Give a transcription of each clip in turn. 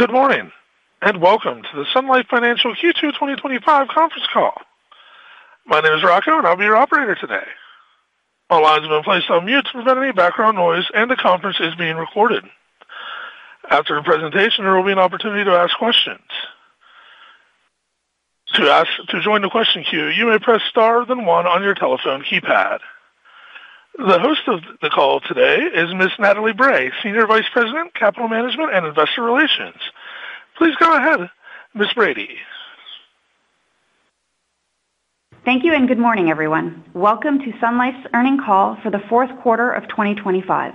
Good morning, and welcome to the Sun Life Financial Q2 2025 conference call. My name is Rocco, and I'll be your operator today. All lines have been placed on mute to prevent any background noise, and the conference is being recorded. After the presentation, there will be an opportunity to ask questions. To join the question queue, you may press Star, then one on your telephone keypad. The host of the call today is Ms. Natalie Brady, Senior Vice-President, Capital Management and Investor Relations. Please go ahead, Ms. Brady. Thank you, and good morning, everyone. Welcome to Sun Life's earnings call for the fourth quarter of 2025.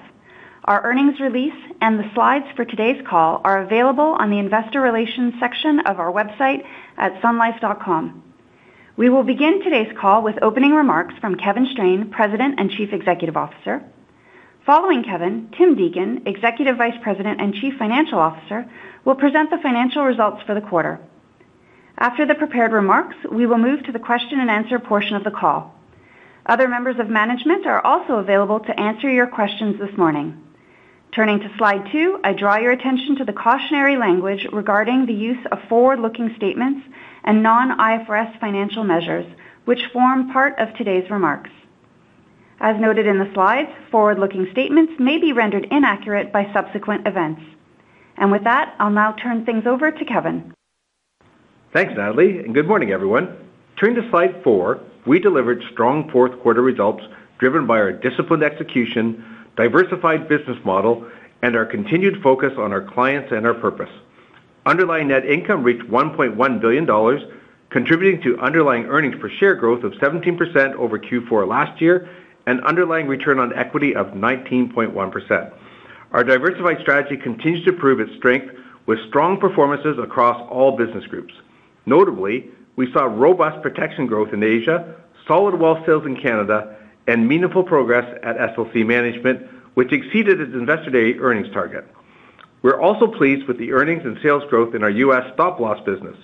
Our earnings release and the slides for today's call are available on the investor relations section of our website at sunlife.com. We will begin today's call with opening remarks from Kevin Strain, President and Chief Executive Officer. Following Kevin, Tim Deacon, Executive Vice President and Chief Financial Officer, will present the financial results for the quarter. After the prepared remarks, we will move to the question-and-answer portion of the call. Other members of management are also available to answer your questions this morning. Turning to Slide two, I draw your attention to the cautionary language regarding the use of forward-looking statements and non-IFRS financial measures, which form part of today's remarks. As noted in the slides, forward-looking statements may be rendered inaccurate by subsequent events. With that, I'll now turn things over to Kevin. Thanks, Natalie, and good morning, everyone. Turning to Slide four, we delivered strong fourth quarter results driven by our disciplined execution, diversified business model, and our continued focus on our clients and our purpose. Underlying net income reached 1.1 billion dollars, contributing to underlying earnings per share growth of 17% over Q4 last year and underlying return on equity of 19.1%. Our diversified strategy continues to prove its strength with strong performances across all business groups. Notably, we saw robust protection growth in Asia, solid wealth sales in Canada, and meaningful progress at SLC Management, which exceeded its investor day earnings target. We're also pleased with the earnings and sales growth in our U.S. stop-loss business.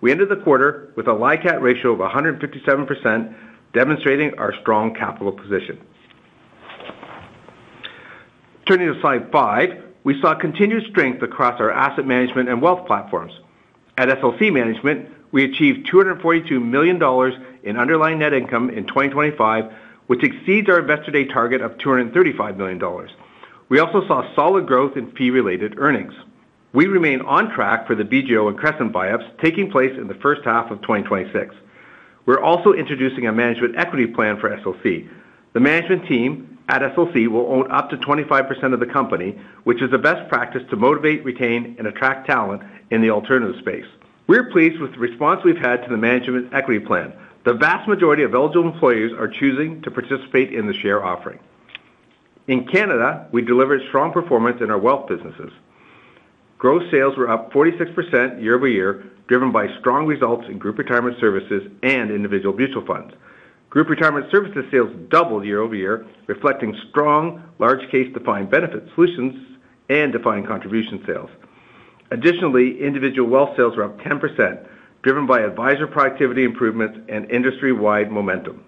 We ended the quarter with a LICAT ratio of 157%, demonstrating our strong capital position. Turning to Slide five, we saw continued strength across our asset management and wealth platforms. At SLC Management, we achieved 242 million dollars in underlying net income in 2025, which exceeds our investor day target of 235 million dollars. We also saw solid growth in fee-related earnings. We remain on track for the BGO and Crescent buyouts taking place in the first half of 2026. We're also introducing a management equity plan for SLC. The management team at SLC will own up to 25% of the company, which is the best practice to motivate, retain, and attract talent in the alternative space. We're pleased with the response we've had to the management equity plan. The vast majority of eligible employees are choosing to participate in the share offering. In Canada, we delivered strong performance in our wealth businesses. Gross sales were up 46% year-over-year, driven by strong results in Group Retirement Services and individual mutual funds. Group Retirement Services sales doubled year-over-year, reflecting strong large case defined benefit solutions and defined contribution sales. Additionally, individual wealth sales were up 10%, driven by advisor productivity improvements and industry-wide momentum.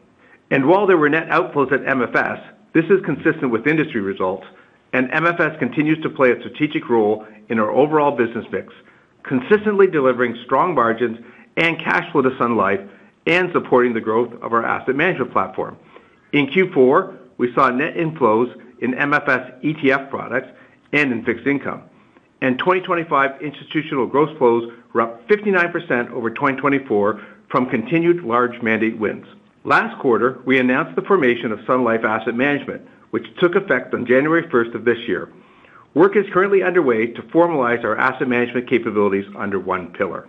And while there were net outflows at MFS, this is consistent with industry results, and MFS continues to play a strategic role in our overall business mix, consistently delivering strong margins and cash flow to Sun Life and supporting the growth of our asset management platform. In Q4, we saw net inflows in MFS ETF products and in fixed income, and 2025 institutional gross flows were up 59 over 2024 from continued large mandate wins. Last quarter, we announced the formation of Sun Life Asset Management, which took effect on January first of this year. Work is currently underway to formalize our asset management capabilities under one pillar.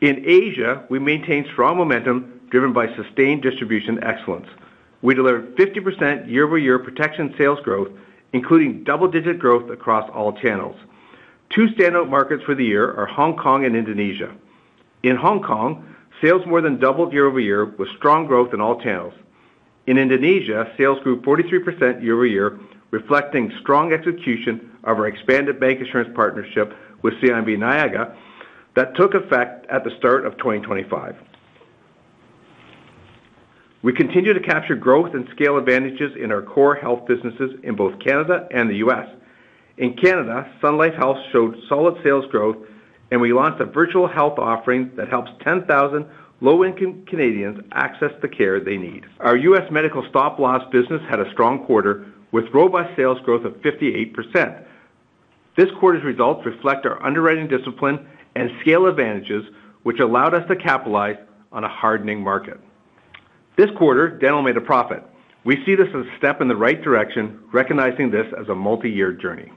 In Asia, we maintain strong momentum driven by sustained distribution excellence. We delivered 50% year-over-year protection sales growth, including double-digit growth across all channels. Two standout markets for the year are Hong Kong and Indonesia. In Hong Kong, sales more than doubled year-over-year, with strong growth in all channels. In Indonesia, sales grew 43% year-over-year, reflecting strong execution of our expanded bank insurance partnership with CIMB Niaga that took effect at the start of 2025. We continue to capture growth and scale advantages in our core health businesses in both Canada and the U.S. In Canada, Sun Life Health showed solid sales growth, and we launched a virtual health offering that helps 10,000 low-income Canadians access the care they need. Our U.S. Medical Stop-Loss business had a strong quarter, with robust sales growth of 58%. This quarter's results reflect our underwriting discipline and scale advantages, which allowed us to capitalize on a hardening market. This quarter, Dental made a profit. We see this as a step in the right direction, recognizing this as a multi-year journey.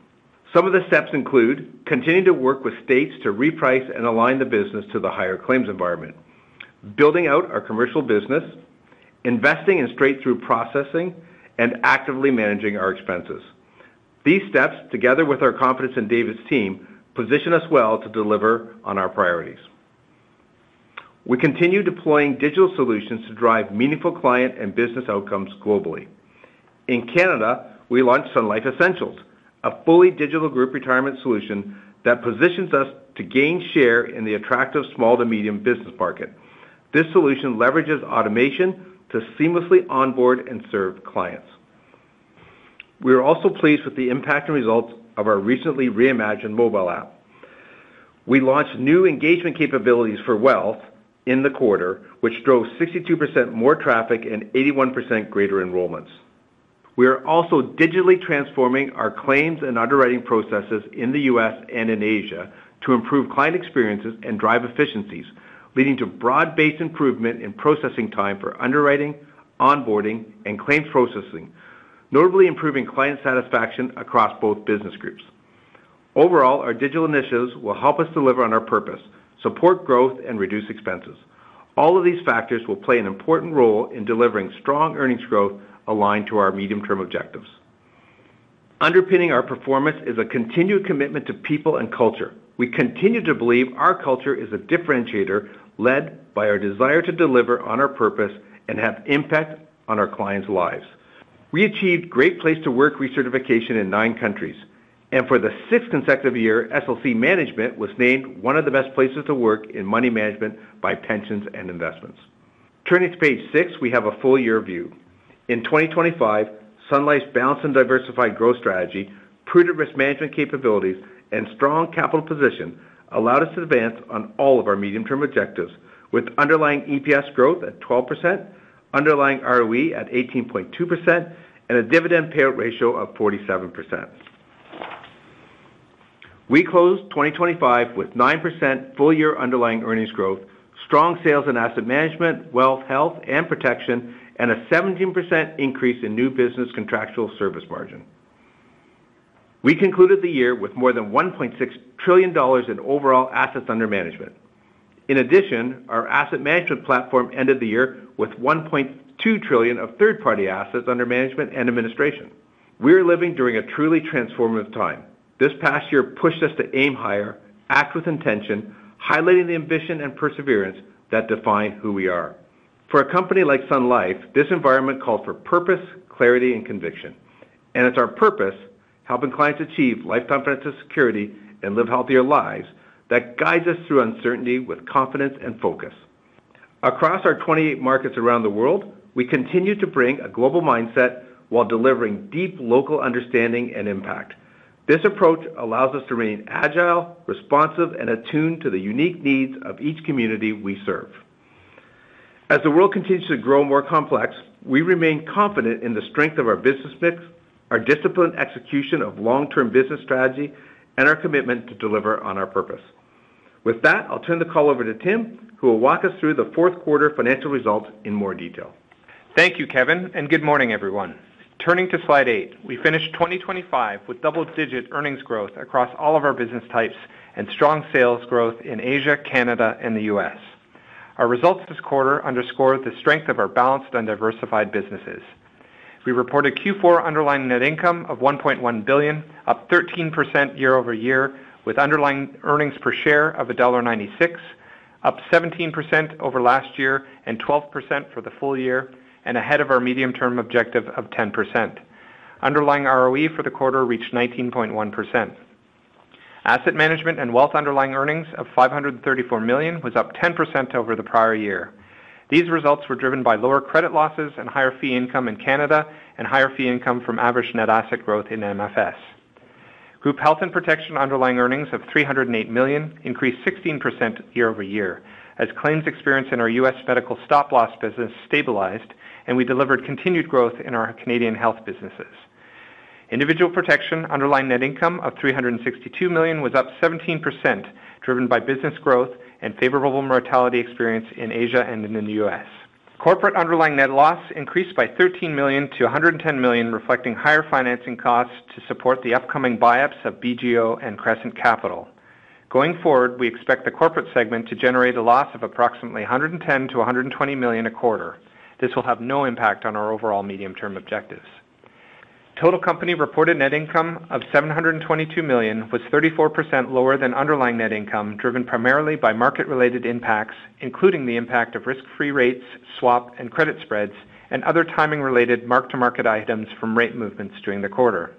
Some of the steps include continuing to work with states to reprice and align the business to the higher claims environment, building out our commercial business, investing in straight-through processing, and actively managing our expenses. These steps, together with our confidence in David's team, position us well to deliver on our priorities. We continue deploying digital solutions to drive meaningful client and business outcomes globally. In Canada, we launched Sun Life Essentials, a fully digital group retirement solution that positions us to gain share in the attractive small to medium business market. This solution leverages automation to seamlessly onboard and serve clients. We are also pleased with the impact and results of our recently reimagined mobile app. We launched new engagement capabilities for wealth in the quarter, which drove 62% more traffic and 81% greater enrollments. We are also digitally transforming our claims and underwriting processes in the U.S. and in Asia to improve client experiences and drive efficiencies, leading to broad-based improvement in processing time for underwriting, onboarding, and claims processing, notably improving client satisfaction across both business groups. Overall, our digital initiatives will help us deliver on our purpose, support growth, and reduce expenses. All of these factors will play an important role in delivering strong earnings growth aligned to our medium-term objectives. Underpinning our performance is a continued commitment to people and culture. We continue to believe our culture is a differentiator, led by our desire to deliver on our purpose and have impact on our clients' lives. We achieved Great Place to Work recertification in nine countries, and for the sixth consecutive year, SLC Management was named one of the best places to work in money management by Pensions and Investments. Turning to page 6, we have a full year view. In 2025, Sun Life's balanced and diversified growth strategy, prudent risk management capabilities, and strong capital position allowed us to advance on all of our medium-term objectives, with underlying EPS growth at 12%, underlying ROE at 18.2%, and a dividend payout ratio of 47%. We closed 2025 with 9% full-year underlying earnings growth, strong sales and asset management, wealth, health, and protection, and a 17% increase in new business contractual service margin. We concluded the year with more than 1.6 trillion dollars in overall assets under management. In addition, our asset management platform ended the year with 1.2 trillion of third-party assets under management and administration. We're living during a truly transformative time. This past year pushed us to aim higher, act with intention, highlighting the ambition and perseverance that define who we are. For a company like Sun Life, this environment calls for purpose, clarity, and conviction. It's our purpose, helping clients achieve lifetime financial security and live healthier lives, that guides us through uncertainty with confidence and focus. Across our 28 markets around the world, we continue to bring a global mindset while delivering deep local understanding and impact. This approach allows us to remain agile, responsive, and attuned to the unique needs of each community we serve. As the world continues to grow more complex, we remain confident in the strength of our business mix, our disciplined execution of long-term business strategy, and our commitment to deliver on our purpose. With that, I'll turn the call over to Tim, who will walk us through the fourth quarter financial results in more detail. Thank you, Kevin, and good morning, everyone. Turning to slide eight, we finished 2025 with double-digit earnings growth across all of our business types and strong sales growth in Asia, Canada, and the U.S. Our results this quarter underscore the strength of our balanced and diversified businesses. We reported Q4 underlying net income of 1.1 billion, up 13% year-over-year, with underlying earnings per share of dollar 1.96, up 17% over last year and 12% for the full year, and ahead of our medium-term objective of 10%. Underlying ROE for the quarter reached 19.1%. Asset management and wealth underlying earnings of 534 million was up 10% over the prior year. These results were driven by lower credit losses and higher fee income in Canada, and higher fee income from average net asset growth in MFS. Group Health and Protection underlying earnings of 308 million increased 16% year-over-year, as claims experience in our U.S. medical stop-loss business stabilized, and we delivered continued growth in our Canadian health businesses. Individual protection underlying net income of 362 million was up 17%, driven by business growth and favorable mortality experience in Asia and in the U.S. Corporate underlying net loss increased by 13 million to 110 million, reflecting higher financing costs to support the upcoming buyouts of BGO and Crescent Capital. Going forward, we expect the corporate segment to generate a loss of approximately 110-120 million a quarter. This will have no impact on our overall medium-term objectives. Total company reported net income of 722 million, was 34% lower than underlying net income, driven primarily by market-related impacts, including the impact of risk-free rates, swap and credit spreads, and other timing-related mark-to-market items from rate movements during the quarter.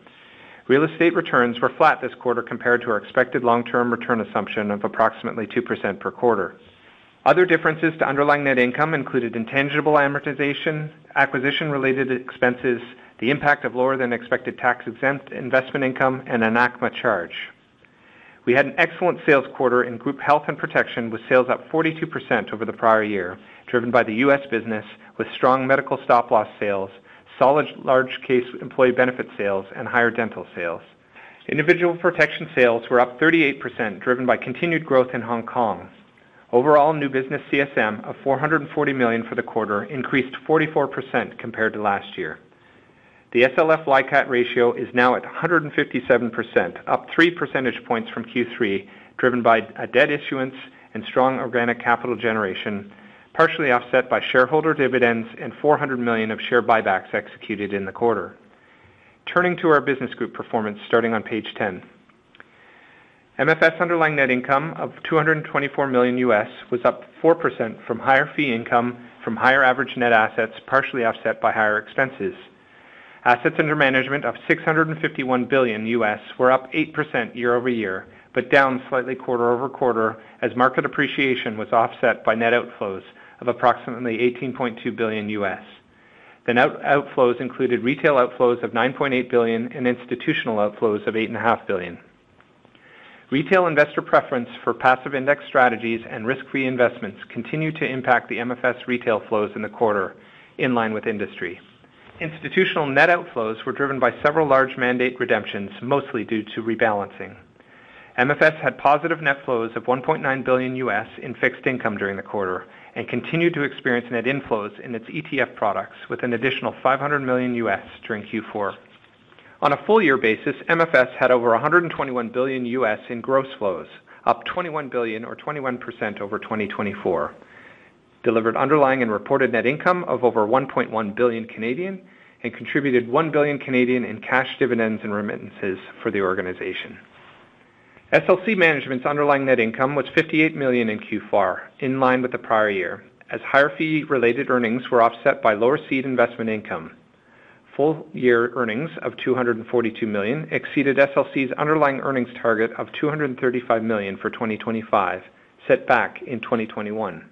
Real estate returns were flat this quarter compared to our expected long-term return assumption of approximately 2% per quarter. Other differences to underlying net income included intangible amortization, acquisition-related expenses, the impact of lower-than-expected tax-exempt investment income, and an ACMA charge. We had an excellent sales quarter in Group Health and Protection, with sales up 42% over the prior year, driven by the U.S. business, with strong Medical Stop-Loss sales, solid large case employee benefit sales, and higher dental sales. Individual protection sales were up 38%, driven by continued growth in Hong Kong. Overall, new business CSM of 440 million for the quarter increased 44% compared to last year. The SLF LICAT ratio is now at 157%, up 3 percentage points from Q3, driven by a debt issuance and strong organic capital generation, partially offset by shareholder dividends and 400 million of share buybacks executed in the quarter. Turning to our business group performance, starting on page 10. MFS underlying net income of $224 million was up 4% from higher fee income from higher average net assets, partially offset by higher expenses.... Assets under management of $651 billion were up 8% year-over-year, but down slightly quarter-over-quarter as market appreciation was offset by net outflows of approximately $18.2 billion. The net outflows included retail outflows of $9.8 billion and institutional outflows of $8.5 billion. Retail investor preference for passive index strategies and risk-free investments continue to impact the MFS retail flows in the quarter, in line with industry. Institutional net outflows were driven by several large mandate redemptions, mostly due to rebalancing. MFS had positive net flows of $1.9 billion in fixed income during the quarter, and continued to experience net inflows in its ETF products with an additional $500 million during Q4. On a full year basis, MFS had over $121 billion in gross flows, up $21 billion or 21% over 2024, delivered underlying and reported net income of over 1.1 billion, and contributed 1 billion in cash dividends and remittances for the organization. SLC Management's underlying net income was 58 million in Q4, in line with the prior year, as higher fee-related earnings were offset by lower seed investment income. Full year earnings of 242 million exceeded SLC's underlying earnings target of 235 million for 2025, set back in 2021.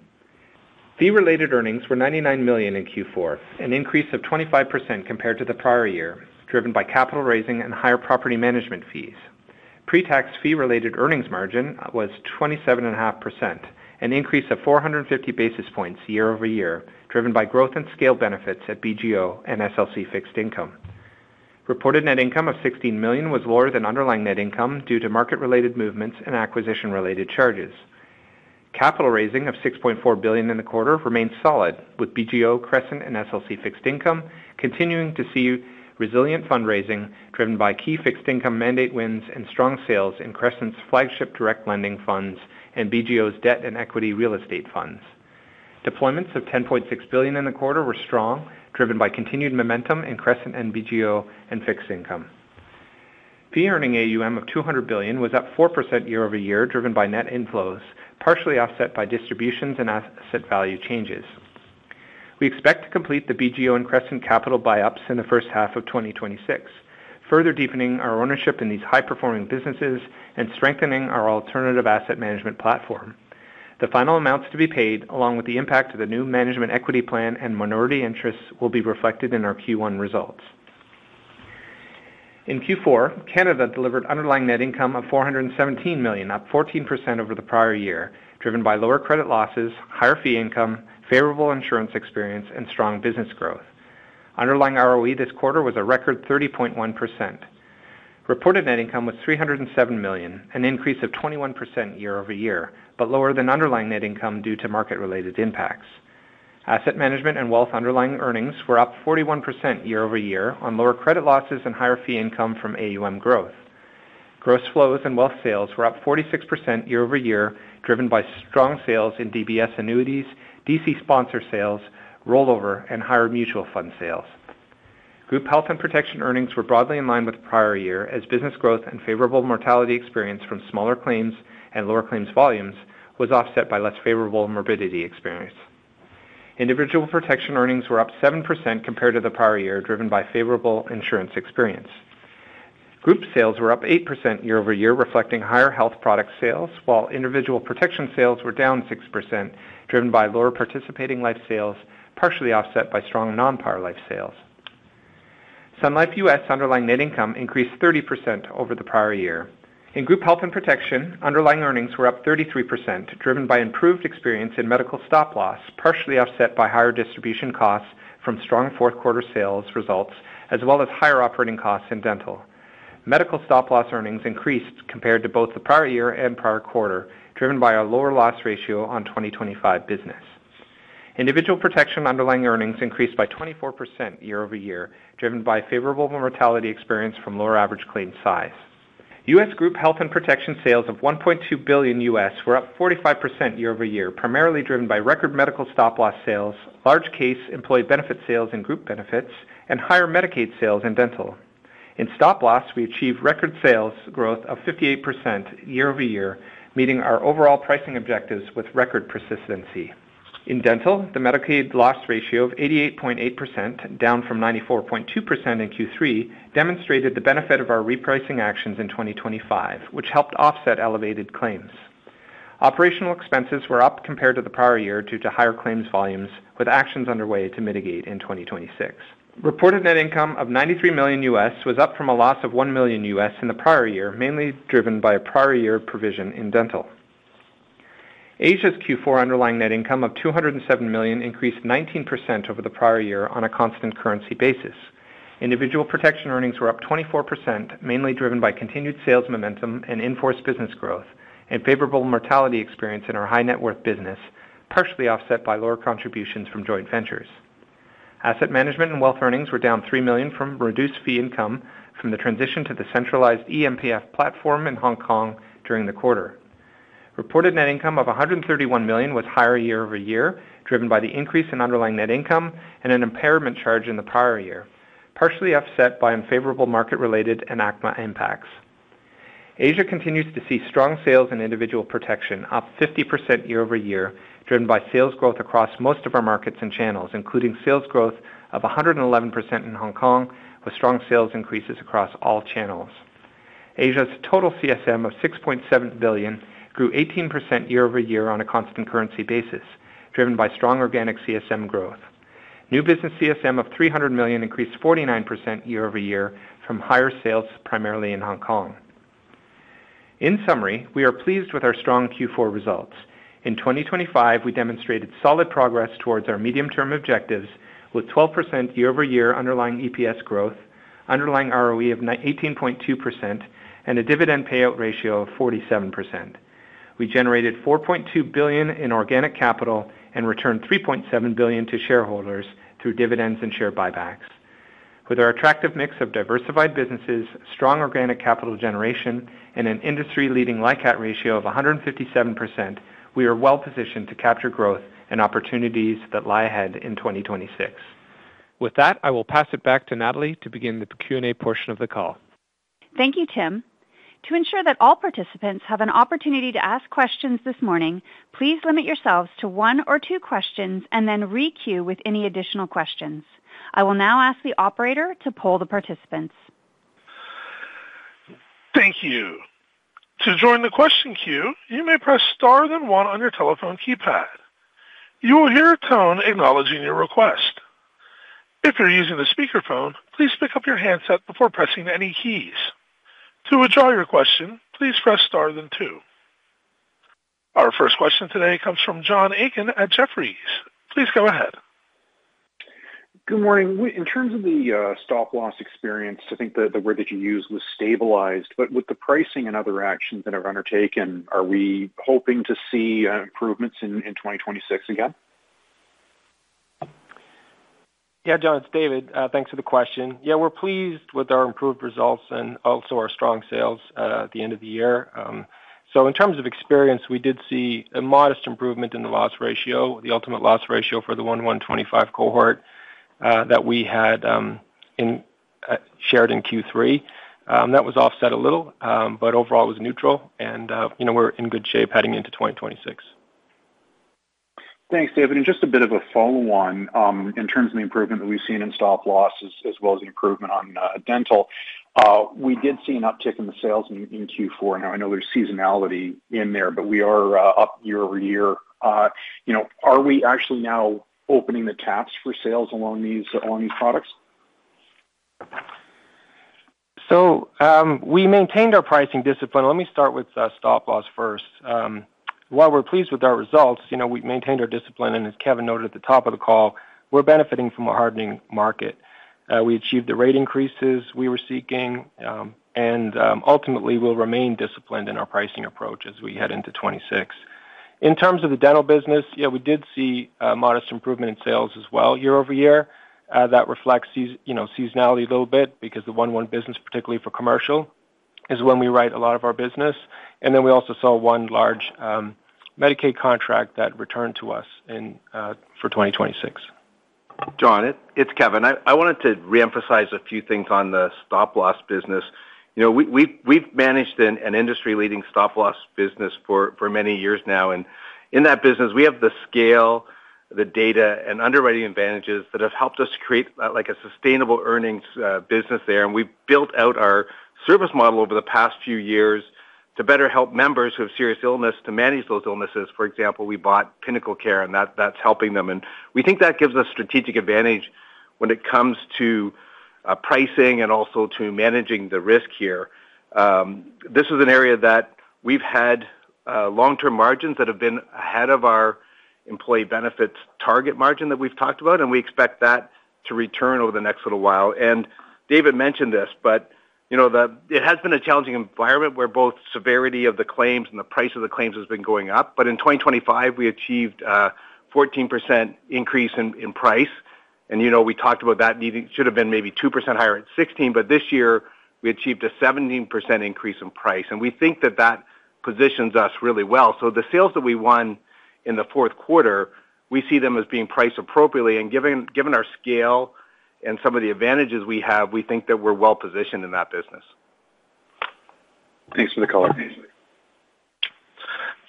Fee-related earnings were 99 million in Q4, an increase of 25% compared to the prior year, driven by capital raising and higher property management fees. Pre-tax fee-related earnings margin was 27.5%, an increase of 450 basis points year-over-year, driven by growth and scale benefits at BGO and SLC Fixed Income. Reported net income of 16 million was lower than underlying net income due to market-related movements and acquisition-related charges. Capital raising of 6.4 billion in the quarter remained solid, with BGO, Crescent, and SLC Fixed Income continuing to see resilient fundraising, driven by key fixed income mandate wins and strong sales in Crescent's flagship direct lending funds and BGO's debt and equity real estate funds. Deployments of 10.6 billion in the quarter were strong, driven by continued momentum in Crescent and BGO and Fixed Income. Fee earning AUM of 200 billion was up 4% year-over-year, driven by net inflows, partially offset by distributions and asset value changes. We expect to complete the BGO and Crescent Capital buyouts in the first half of 2026, further deepening our ownership in these high-performing businesses and strengthening our alternative asset management platform. The final amounts to be paid, along with the impact of the new management equity plan and minority interests, will be reflected in our Q1 results. In Q4, Canada delivered underlying net income of 417 million, up 14% over the prior year, driven by lower credit losses, higher fee income, favorable insurance experience, and strong business growth. Underlying ROE this quarter was a record 30.1%. Reported net income was 307 million, an increase of 21% year-over-year, but lower than underlying net income due to market-related impacts. Asset management and wealth underlying earnings were up 41% year-over-year on lower credit losses and higher fee income from AUM growth. Gross flows and wealth sales were up 46% year-over-year, driven by strong sales in DBS annuities, DC sponsor sales, rollover, and higher mutual fund sales. Group Health and Protection earnings were broadly in line with the prior year, as business growth and favorable mortality experience from smaller claims and lower claims volumes was offset by less favorable morbidity experience. Individual protection earnings were up 7% compared to the prior year, driven by favorable insurance experience. Group sales were up 8% year-over-year, reflecting higher health product sales, while individual protection sales were down 6%, driven by lower participating life sales, partially offset by strong non-par life sales. Sun Life U.S. Underlying Net Income increased 30% over the prior year. In Group Health and Protection, underlying earnings were up 33%, driven by improved experience in medical stop loss, partially offset by higher distribution costs from strong fourth quarter sales results, as well as higher operating costs in dental. Medical stop loss earnings increased compared to both the prior year and prior quarter, driven by a lower loss ratio on 2025 business. Individual protection underlying earnings increased by 24% year-over-year, driven by favorable mortality experience from lower average claim size. U.S. Group Health and Protection sales of $1.2 billion were up 45% year-over-year, primarily driven by record medical stop loss sales, large case employee benefit sales and group benefits, and higher Medicaid sales in dental. In stop loss, we achieved record sales growth of 58% year-over-year, meeting our overall pricing objectives with record persistency. In dental, the Medicaid loss ratio of 88.8%, down from 94.2% in Q3, demonstrated the benefit of our repricing actions in 2025, which helped offset elevated claims. Operational expenses were up compared to the prior year due to higher claims volumes, with actions underway to mitigate in 2026. Reported net income of $93 million was up from a loss of $1 million in the prior year, mainly driven by a prior year provision in dental. Asia's Q4 underlying net income of 207 million increased 19% over the prior year on a constant currency basis. Individual protection earnings were up 24%, mainly driven by continued sales momentum and in-force business growth and favorable mortality experience in our high net worth business, partially offset by lower contributions from joint ventures. Asset management and wealth earnings were down 3 million from reduced fee income from the transition to the centralized eMPF platform in Hong Kong during the quarter. Reported net income of 131 million was higher year-over-year, driven by the increase in underlying net income and an impairment charge in the prior year, partially offset by unfavorable market related and ACMA impacts.... Asia continues to see strong sales in individual protection, up 50% year-over-year, driven by sales growth across most of our markets and channels, including sales growth of 111% in Hong Kong, with strong sales increases across all channels. Asia's total CSM of 6.7 billion grew 18% year-over-year on a constant currency basis, driven by strong organic CSM growth. New business CSM of 300 million increased 49% year-over-year from higher sales, primarily in Hong Kong. In summary, we are pleased with our strong Q4 results. In 2025, we demonstrated solid progress towards our medium-term objectives, with 12% year-over-year underlying EPS growth, underlying ROE of 18.2%, and a dividend payout ratio of 47%. We generated 4.2 billion in organic capital and returned 3.7 billion to shareholders through dividends and share buybacks. With our attractive mix of diversified businesses, strong organic capital generation, and an industry-leading LICAT ratio of 157%, we are well positioned to capture growth and opportunities that lie ahead in 2026. With that, I will pass it back to Natalie to begin the Q&A portion of the call. Thank you, Tim. To ensure that all participants have an opportunity to ask questions this morning, please limit yourselves to one or two questions and then re-queue with any additional questions. I will now ask the operator to poll the participants. Thank you. To join the question queue, you may press Star then one on your telephone keypad. You will hear a tone acknowledging your request. If you're using the speakerphone, please pick up your handset before pressing any keys. To withdraw your question, please press Star then two. Our first question today comes from John Aiken at Jefferies. Please go ahead. Good morning. In terms of the stop-loss experience, I think the, the word that you used was stabilized, but with the pricing and other actions that are undertaken, are we hoping to see improvements in 2026 again? Yeah, John, it's David. Thanks for the question. Yeah, we're pleased with our improved results and also our strong sales at the end of the year. So in terms of experience, we did see a modest improvement in the loss ratio, the ultimate loss ratio for the 1-1-25 cohort that we had in shared in Q3. That was offset a little, but overall it was neutral, and you know, we're in good shape heading into 2026. Thanks, David, and just a bit of a follow-on. In terms of the improvement that we've seen in stop losses as well as the improvement on dental, we did see an uptick in the sales in Q4. Now, I know there's seasonality in there, but we are up year-over-year. You know, are we actually now opening the taps for sales along these, on these products? So, we maintained our pricing discipline. Let me start with stop-loss first. While we're pleased with our results, you know, we've maintained our discipline, and as Kevin noted at the top of the call, we're benefiting from a hardening market. We achieved the rate increases we were seeking, and ultimately, we'll remain disciplined in our pricing approach as we head into 2026. In terms of the dental business, yeah, we did see a modest improvement in sales as well year-over-year. That reflects, you know, seasonality a little bit, because the Q1 business, particularly for commercial, is when we write a lot of our business. And then we also saw one large Medicaid contract that returned to us in for 2026. John, it's Kevin. I wanted to reemphasize a few things on the stop-loss business. You know, we've managed an industry-leading stop-loss business for many years now, and in that business, we have the scale, the data, and underwriting advantages that have helped us create like a sustainable earnings business there. And we've built out our service model over the past few years to better help members who have serious illness to manage those illnesses. For example, we bought PinnacleCare, and that's helping them. And we think that gives us strategic advantage when it comes to pricing and also to managing the risk here. This is an area that we've had long-term margins that have been ahead of our employee benefits target margin that we've talked about, and we expect that to return over the next little while. David mentioned this, but, you know, the it has been a challenging environment where both severity of the claims and the price of the claims has been going up. But in 2025, we achieved fourteen percent increase in, in price. And, you know, we talked about that needing should have been maybe two percent higher at sixteen, but this year, we achieved a seventeen percent increase in price, and we think that that positions us really well. So the sales that we won in the fourth quarter, we see them as being priced appropriately, and giving given our scale and some of the advantages we have, we think that we're well positioned in that business. Thanks for the color.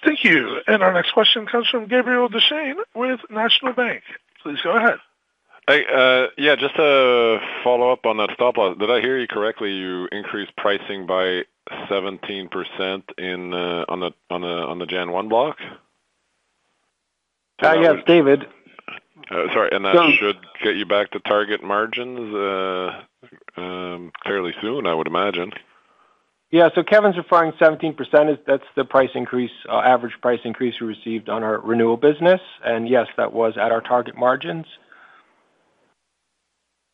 Thank you. Our next question comes from Gabriel Dechaine with National Bank. Please go ahead. Yeah, just to follow up on that stop loss, did I hear you correctly? You increased pricing by 17% in on the Jan. 1 block? Yes, David. Sorry, that should get you back to target margins fairly soon, I would imagine. Yeah. So Kevin's referring 17%, that's the price increase, average price increase we received on our renewal business. And yes, that was at our target margins.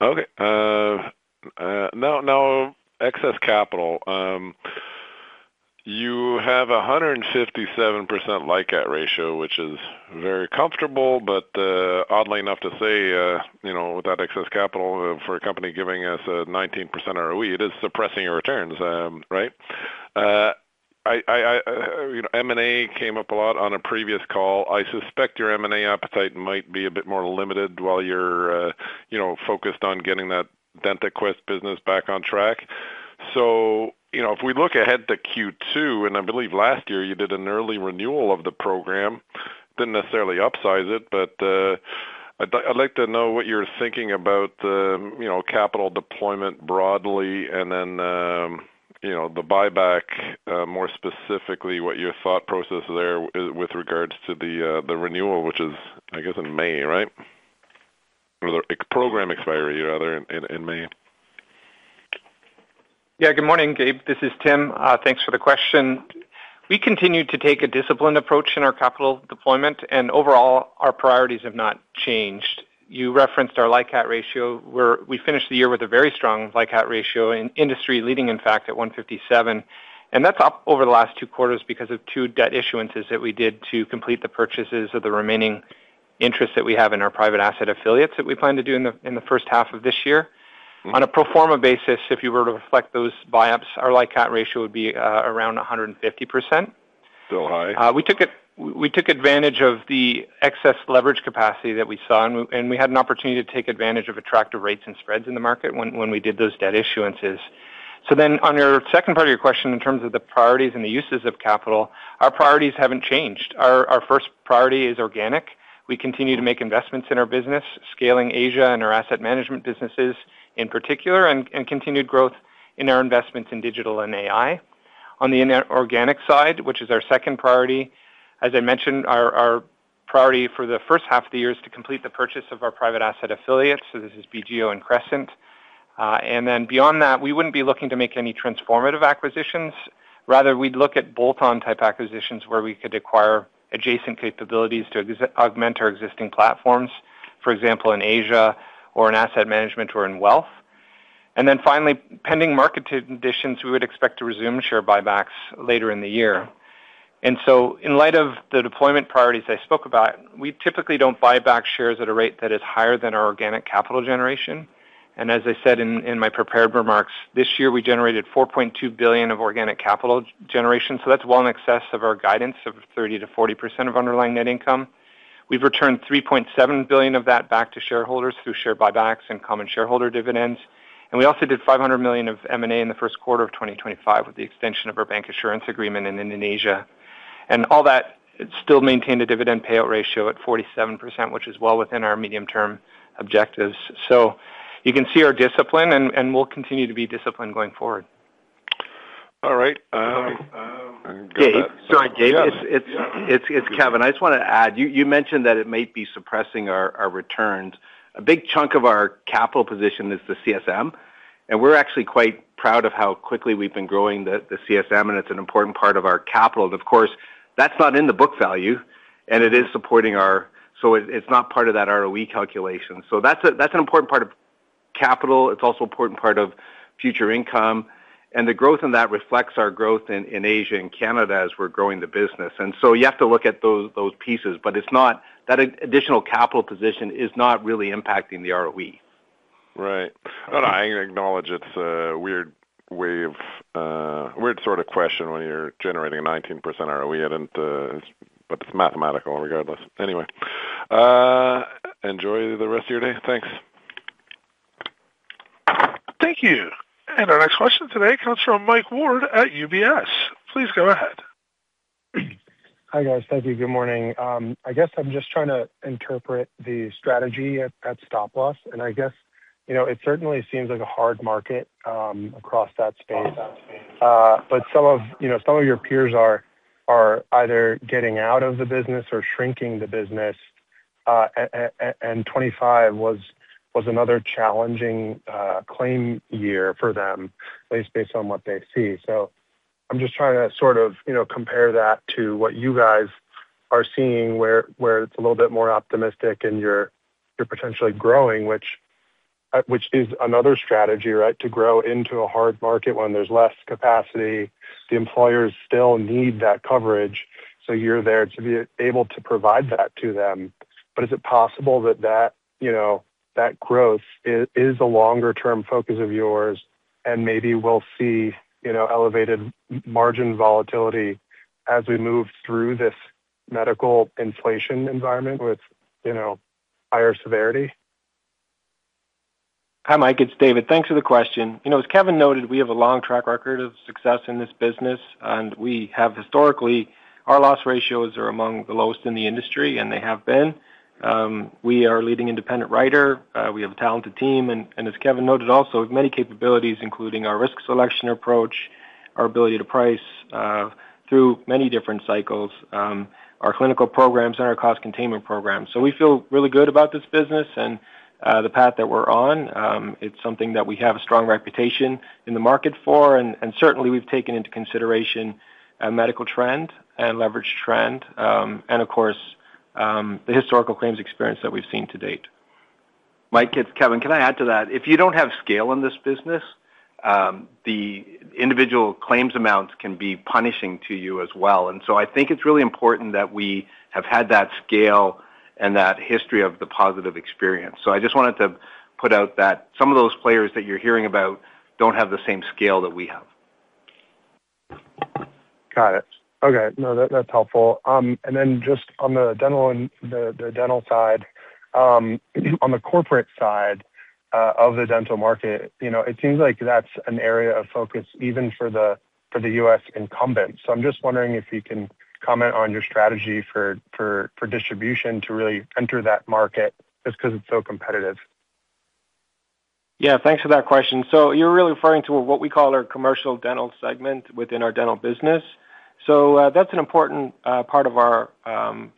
Okay. Now, excess capital. You have a 157% LICAT ratio, which is very comfortable, but oddly enough to say, you know, with that excess capital for a company giving us a 19% ROE, it is suppressing your returns, right? You know, M&A came up a lot on a previous call. I suspect your M&A appetite might be a bit more limited while you're, you know, focused on getting that DentaQuest business back on track. So, you know, if we look ahead to Q2, and I believe last year you did an early renewal of the program, didn't necessarily upsize it, but, I'd like to know what you're thinking about, you know, capital deployment broadly, and then, you know, the buyback, more specifically, what your thought process there is with regards to the, the renewal, which is, I guess, in May, right? Or the program expiry, rather, in May. Yeah, good morning, Gabe. This is Tim. Thanks for the question. We continue to take a disciplined approach in our capital deployment, and overall, our priorities have not changed. You referenced our LICAT ratio, where we finished the year with a very strong LICAT ratio, industry-leading, in fact, at 157. And that's up over the last two quarters because of two debt issuances that we did to complete the purchases of the remaining interest that we have in our private asset affiliates that we plan to do in the, in the first half of this year. On a pro forma basis, if you were to reflect those buy-ups, our LICAT ratio would be around 150%. Still high. We took advantage of the excess leverage capacity that we saw, and we had an opportunity to take advantage of attractive rates and spreads in the market when we did those debt issuances. So then on your second part of your question, in terms of the priorities and the uses of capital, our priorities haven't changed. Our first priority is organic. We continue to make investments in our business, scaling Asia and our asset management businesses in particular, and continued growth in our investments in digital and AI. On the inorganic side, which is our second priority, as I mentioned, our priority for the first half of the year is to complete the purchase of our private asset affiliates. So this is BGO and Crescent. And then beyond that, we wouldn't be looking to make any transformative acquisitions. Rather, we'd look at bolt-on type acquisitions where we could acquire adjacent capabilities to augment our existing platforms, for example, in Asia or in asset management or in wealth. And then finally, pending market conditions, we would expect to resume share buybacks later in the year. And so in light of the deployment priorities I spoke about, we typically don't buy back shares at a rate that is higher than our organic capital generation. And as I said in my prepared remarks, this year, we generated 4.2 billion of organic capital generation, so that's well in excess of our guidance of 30%-40% of underlying net income. We've returned 3.7 billion of that back to shareholders through share buybacks and common shareholder dividends, and we also did 500 million of M&A in the first quarter of 2025, with the extension of our bank insurance agreement in Indonesia. And all that, it still maintained a dividend payout ratio at 47%, which is well within our medium-term objectives. So you can see our discipline, and, and we'll continue to be disciplined going forward. All right, I'm good- Gabe, sorry, Gabe. Yeah. It's Kevin. I just want to add, you mentioned that it might be suppressing our returns. A big chunk of our capital position is the CSM, and we're actually quite proud of how quickly we've been growing the CSM, and it's an important part of our capital. And of course, that's not in the book value, and it is supporting our... So it's not part of that ROE calculation. So that's an important part of capital. It's also an important part of future income, and the growth in that reflects our growth in Asia and Canada as we're growing the business. And so you have to look at those pieces, but it's not that additional capital position is not really impacting the ROE. Right. Oh, no, I acknowledge it's a weird way of, weird sort of question when you're generating a 19% ROE, and, but it's mathematical regardless. Anyway, enjoy the rest of your day. Thanks. Thank you. Our next question today comes from Mike Ward at UBS. Please go ahead. Hi, guys. Thank you. Good morning. I guess I'm just trying to interpret the strategy at stop-loss, and I guess, you know, it certainly seems like a hard market across that space. But some of, you know, some of your peers are either getting out of the business or shrinking the business. And 25 was another challenging claim year for them, at least based on what they see. So I'm just trying to sort of, you know, compare that to what you guys are seeing, where it's a little bit more optimistic and you're potentially growing, which is another strategy, right? To grow into a hard market when there's less capacity. The employers still need that coverage, so you're there to be able to provide that to them. Is it possible that, you know, that growth is a longer-term focus of yours, and maybe we'll see, you know, elevated margin volatility as we move through this medical inflation environment with, you know, higher severity? Hi, Mike, it's David. Thanks for the question. You know, as Kevin noted, we have a long track record of success in this business, and we have historically, our loss ratios are among the lowest in the industry, and they have been. We are a leading independent writer, we have a talented team, and, and as Kevin noted, also with many capabilities, including our risk selection approach, our ability to price, through many different cycles, our clinical programs and our cost containment programs. So we feel really good about this business and, the path that we're on. It's something that we have a strong reputation in the market for, and, and certainly we've taken into consideration a medical trend and leverage trend, and of course, the historical claims experience that we've seen to date. Mike, it's Kevin. Can I add to that? If you don't have scale in this business, the individual claims amounts can be punishing to you as well. And so I think it's really important that we have had that scale.... and that history of the positive experience. So I just wanted to put out that some of those players that you're hearing about don't have the same scale that we have. Got it. Okay. No, that, that's helpful. And then just on the dental and the dental side, on the corporate side, of the dental market, you know, it seems like that's an area of focus even for the U.S. incumbents. So I'm just wondering if you can comment on your strategy for distribution to really enter that market, just because it's so competitive. Yeah, thanks for that question. So you're really referring to what we call our commercial dental segment within our dental business. So, that's an important part of our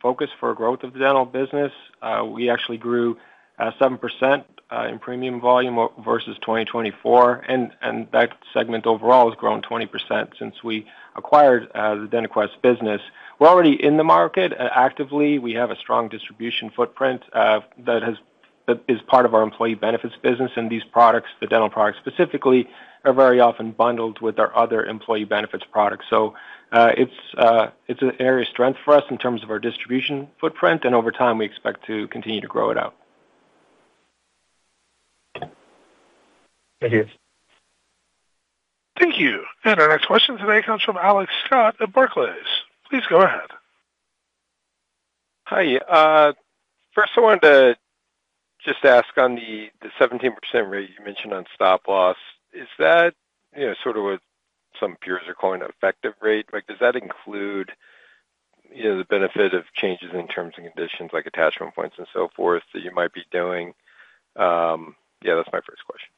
focus for growth of the dental business. We actually grew 7% in premium volume versus 2024, and that segment overall has grown 20% since we acquired the DentaQuest business. We're already in the market actively. We have a strong distribution footprint that is part of our employee benefits business, and these products, the dental products specifically, are very often bundled with our other employee benefits products. So, it's an area of strength for us in terms of our distribution footprint, and over time, we expect to continue to grow it out. Thank you. Thank you. Our next question today comes from Alex Scott at Barclays. Please go ahead. Hi, first, I wanted to just ask on the 17% rate you mentioned on stop-loss, is that, you know, sort of what some peers are calling an effective rate? Like, does that include, you know, the benefit of changes in terms and conditions, like attachment points and so forth, that you might be doing? Yeah, that's my first question.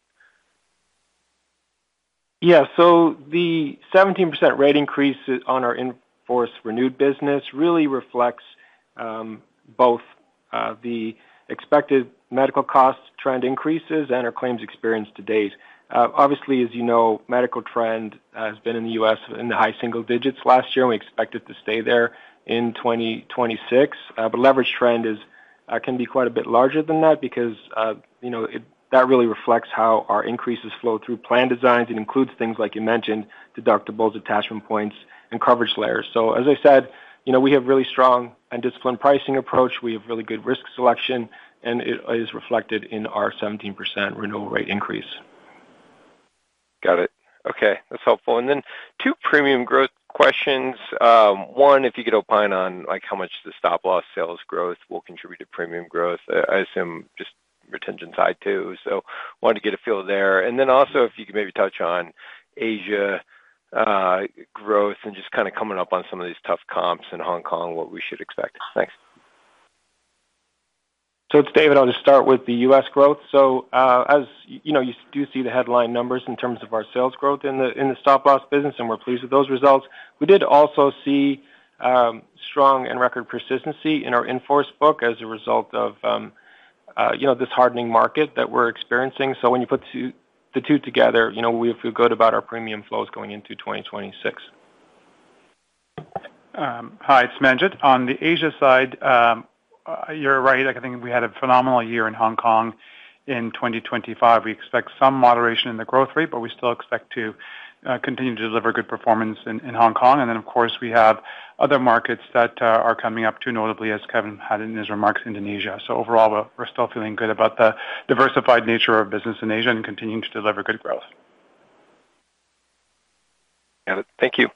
Yeah, so the 17% rate increase on our in-force renewed business really reflects, both, the expected medical cost trend increases and our claims experience to date. Obviously, as you know, medical trend has been in the U.S. in the high single digits last year, and we expect it to stay there in 2026. But leverage trend is, can be quite a bit larger than that because, you know, it-- that really reflects how our increases flow through plan designs. It includes things like you mentioned, deductibles, attachment points, and coverage layers. So as I said, you know, we have really strong and disciplined pricing approach. We have really good risk selection, and it is reflected in our 17% renewal rate increase. Got it. Okay, that's helpful. And then two premium growth questions. One, if you could opine on, like, how much the stop loss sales growth will contribute to premium growth. I assume just retention side, too. So wanted to get a feel there. And then also, if you could maybe touch on Asia growth and just kind of coming up on some of these tough comps in Hong Kong, what we should expect. Thanks. So it's David. I'll just start with the U.S. growth. So, as you know, you do see the headline numbers in terms of our sales growth in the, in the stop loss business, and we're pleased with those results. We did also see, strong and record persistency in our in-force book as a result of, you know, this hardening market that we're experiencing. So when you put the two together, you know, we feel good about our premium flows going into 2026. Hi, it's Manjit. On the Asia side, you're right. I think we had a phenomenal year in Hong Kong in 2025. We expect some moderation in the growth rate, but we still expect to continue to deliver good performance in Hong Kong. And then, of course, we have other markets that are coming up, too, notably, as Kevin had in his remarks, Indonesia. So overall, we're still feeling good about the diversified nature of business in Asia and continuing to deliver good growth. Got it. Thank you.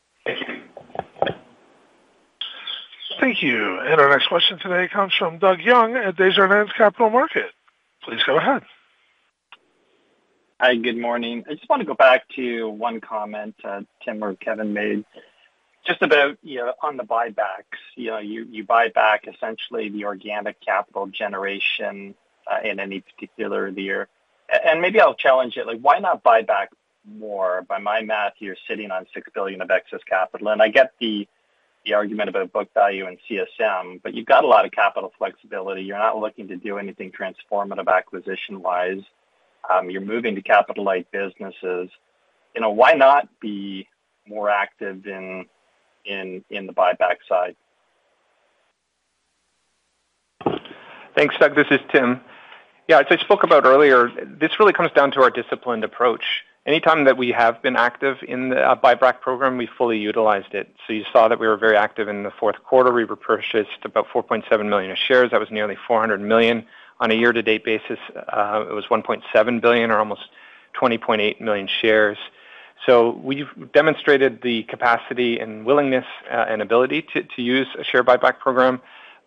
Thank you. Our next question today comes from Doug Young at Desjardins Capital Markets. Please go ahead. Hi, good morning. I just want to go back to one comment that Tim or Kevin made, just about, you know, on the buybacks. You know, you buy back essentially the organic capital generation in any particular year. And maybe I'll challenge it, like, why not buy back more? By my math, you're sitting on 6 billion of excess capital, and I get the argument about book value and CSM, but you've got a lot of capital flexibility. You're not looking to do anything transformative acquisition-wise. You're moving to capitalize businesses. You know, why not be more active in the buyback side? Thanks, Doug. This is Tim. Yeah, as I spoke about earlier, this really comes down to our disciplined approach. Anytime that we have been active in the buyback program, we fully utilized it. So you saw that we were very active in the fourth quarter. We repurchased about 4.7 million shares. That was nearly 400 million. On a year-to-date basis, it was 1.7 billion or almost 20.8 million shares. So we've demonstrated the capacity and willingness and ability to use a share buyback program.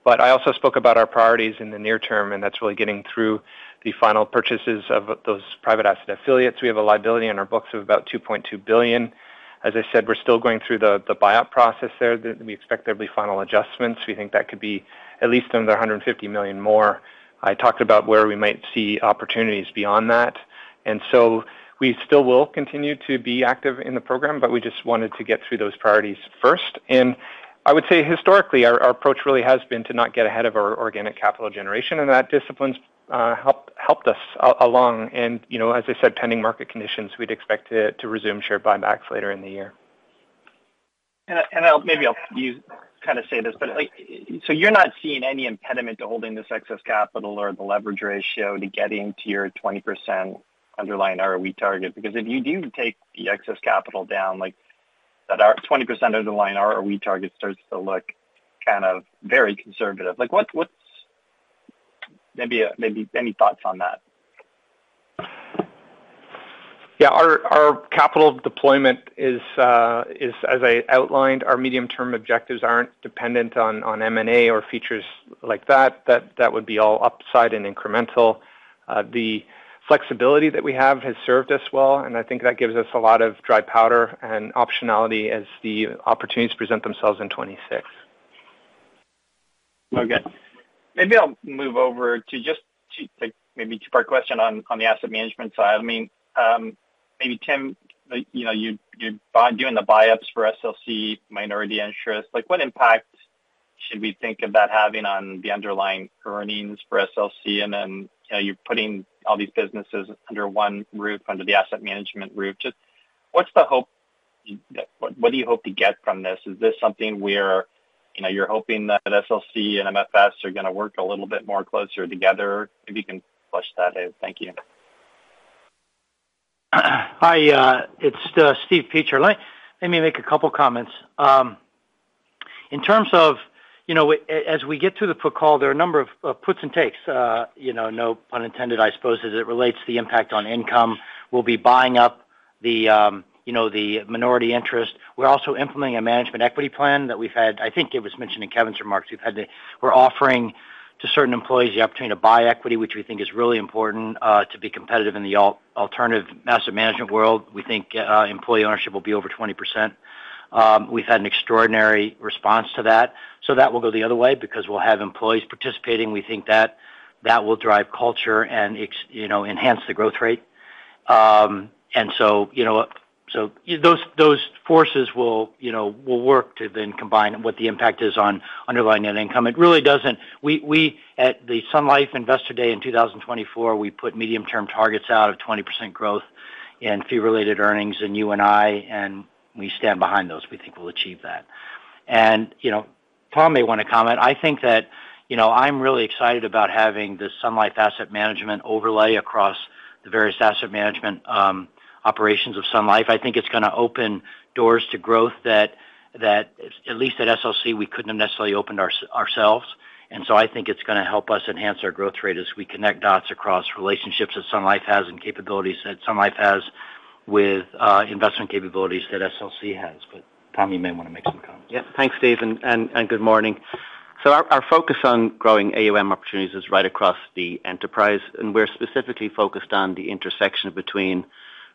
But I also spoke about our priorities in the near term, and that's really getting through the final purchases of those private asset affiliates. We have a liability on our books of about 2.2 billion. As I said, we're still going through the buyout process there. We expect there'll be final adjustments. We think that could be at least another 150 million more. I talked about where we might see opportunities beyond that. So we still will continue to be active in the program, but we just wanted to get through those priorities first. I would say historically, our approach really has been to not get ahead of our organic capital generation, and that discipline's helped us along. You know, as I said, pending market conditions, we'd expect to resume share buybacks later in the year. I'll maybe kind of say this, but, like, so you're not seeing any impediment to holding this excess capital or the leverage ratio to getting to your 20% underlying ROE target? Because if you do take the excess capital down, like, that our 20% of the line, our, our ROE target starts to look kind of very conservative. Like, what's maybe, maybe any thoughts on that? Yeah, our capital deployment is, as I outlined, our medium-term objectives aren't dependent on M&A or features like that, that would be all upside and incremental. The flexibility that we have has served us well, and I think that gives us a lot of dry powder and optionality as the opportunities present themselves in 2026. Okay. Maybe I'll move over to, just to, like, maybe a two-part question on the asset management side. I mean, maybe Tim, you know, you, you're doing the buyups for SLC minority interest. Like, what impact should we think about having on the underlying earnings for SLC? And then, you know, you're putting all these businesses under one roof, under the asset management roof. Just what's the hope? What do you hope to get from this? Is this something where, you know, you're hoping that SLC and MFS are gonna work a little bit more closer together? If you can flesh that out. Thank you. Hi, it's Steve Peacher. Let me make a couple of comments. In terms of, you know, as we get through the put call, there are a number of puts and takes, you know, no pun intended, I suppose, as it relates to the impact on income. We'll be buying up the, you know, the minority interest. We're also implementing a management equity plan that we've had. I think it was mentioned in Kevin's remarks. We've had the—We're offering to certain employees the opportunity to buy equity, which we think is really important, to be competitive in the alternative asset management world. We think, employee ownership will be over 20%. We've had an extraordinary response to that, so that will go the other way because we'll have employees participating. We think that that will drive culture and you know, enhance the growth rate. And so, you know, so those, those forces will, you know, will work to then combine what the impact is on underlying net income. It really doesn't. We, we at the Sun Life Investor Day in 2024, we put medium-term targets out of 20% growth in fee-related earnings in you and I, and we stand behind those. We think we'll achieve that. And, you know, Tim may want to comment. I think that, you know, I'm really excited about having this Sun Life asset management overlay across the various asset management operations of Sun Life. I think it's gonna open doors to growth that, that at least at SLC, we couldn't have necessarily opened ourselves. And so I think it's gonna help us enhance our growth rate as we connect dots across relationships that Sun Life has and capabilities that Sun Life has with investment capabilities that SLC has. But Tim, you may want to make some comments. Yeah. Thanks, Steve, and good morning. So our focus on growing AUM opportunities is right across the enterprise, and we're specifically focused on the intersection between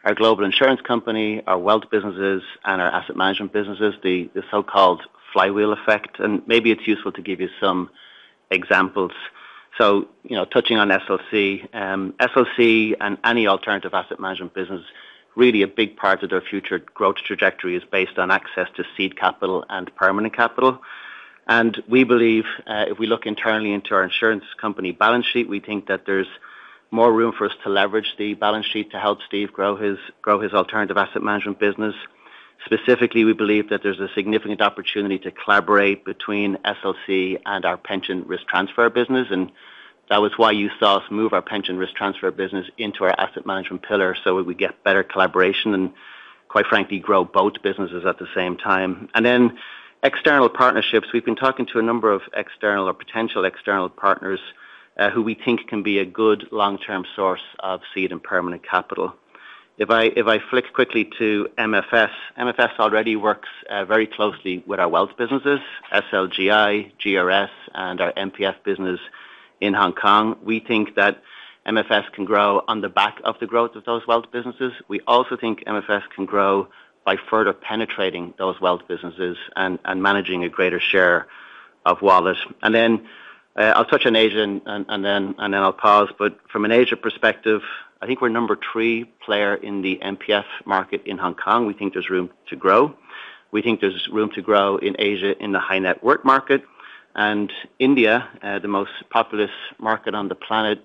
our global insurance company, our wealth businesses, and our asset management businesses, the so-called flywheel effect. And maybe it's useful to give you some examples. So, you know, touching on SLC, SLC and any alternative asset management business, really a big part of their future growth trajectory is based on access to seed capital and permanent capital. And we believe, if we look internally into our insurance company balance sheet, we think that there's more room for us to leverage the balance sheet to help Steve grow his alternative asset management business. Specifically, we believe that there's a significant opportunity to collaborate between SLC and our pension risk transfer business, and that was why you saw us move our pension risk transfer business into our asset management pillar so we would get better collaboration and, quite frankly, grow both businesses at the same time. And then external partnerships. We've been talking to a number of external or potential external partners who we think can be a good long-term source of seed and permanent capital. If I, if I flick quickly to MFS, MFS already works very closely with our wealth businesses, SLGI, GRS, and our MPF business in Hong Kong. We think that MFS can grow on the back of the growth of those wealth businesses. We also think MFS can grow by further penetrating those wealth businesses and managing a greater share of wallet. And then I'll touch on Asia, and then I'll pause. But from an Asia perspective, I think we're number three player in the MPF market in Hong Kong. We think there's room to grow. We think there's room to grow in Asia in the high net worth market. And India, the most populous market on the planet,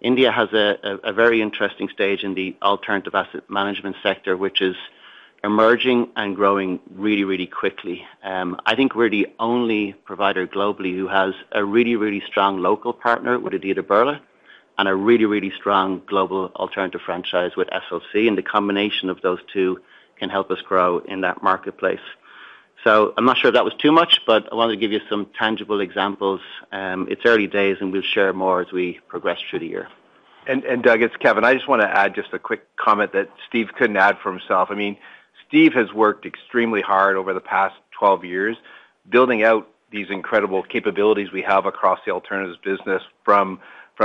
India has a very interesting stage in the alternative asset management sector, which is emerging and growing really, really quickly. I think we're the only provider globally who has a really, really strong local partner with Aditya Birla, and a really, really strong global alternative franchise with SLC, and the combination of those two can help us grow in that marketplace. So I'm not sure if that was too much, but I wanted to give you some tangible examples. It's early days, and we'll share more as we progress through the year. Doug, it's Kevin. I just want to add just a quick comment that Steve couldn't add for himself. I mean, Steve has worked extremely hard over the past 12 years, building out these incredible capabilities we have across the alternatives business, from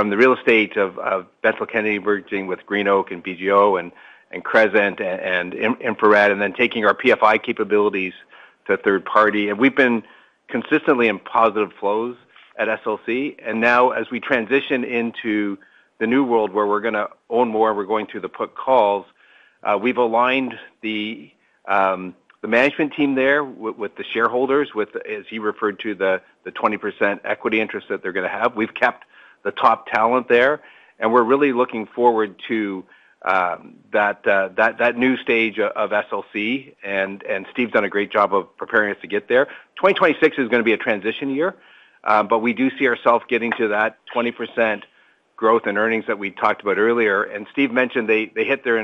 the real estate of Bentall Kennedy, merging with GreenOak and BGO and Crescent and InfraRed, and then taking our PFI capabilities to third party. We've been consistently in positive flows at SLC. And now, as we transition into the new world where we're gonna own more, we're going through the put calls. We've aligned the management team there with the shareholders, with, as he referred to, the 20% equity interest that they're gonna have. We've kept the top talent there, and we're really looking forward to that new stage of SLC, and Steve done a great job of preparing us to get there. 2026 is gonna be a transition year, but we do see ourselves getting to that 20% growth and earnings that we talked about earlier, and Steve mentioned they hit their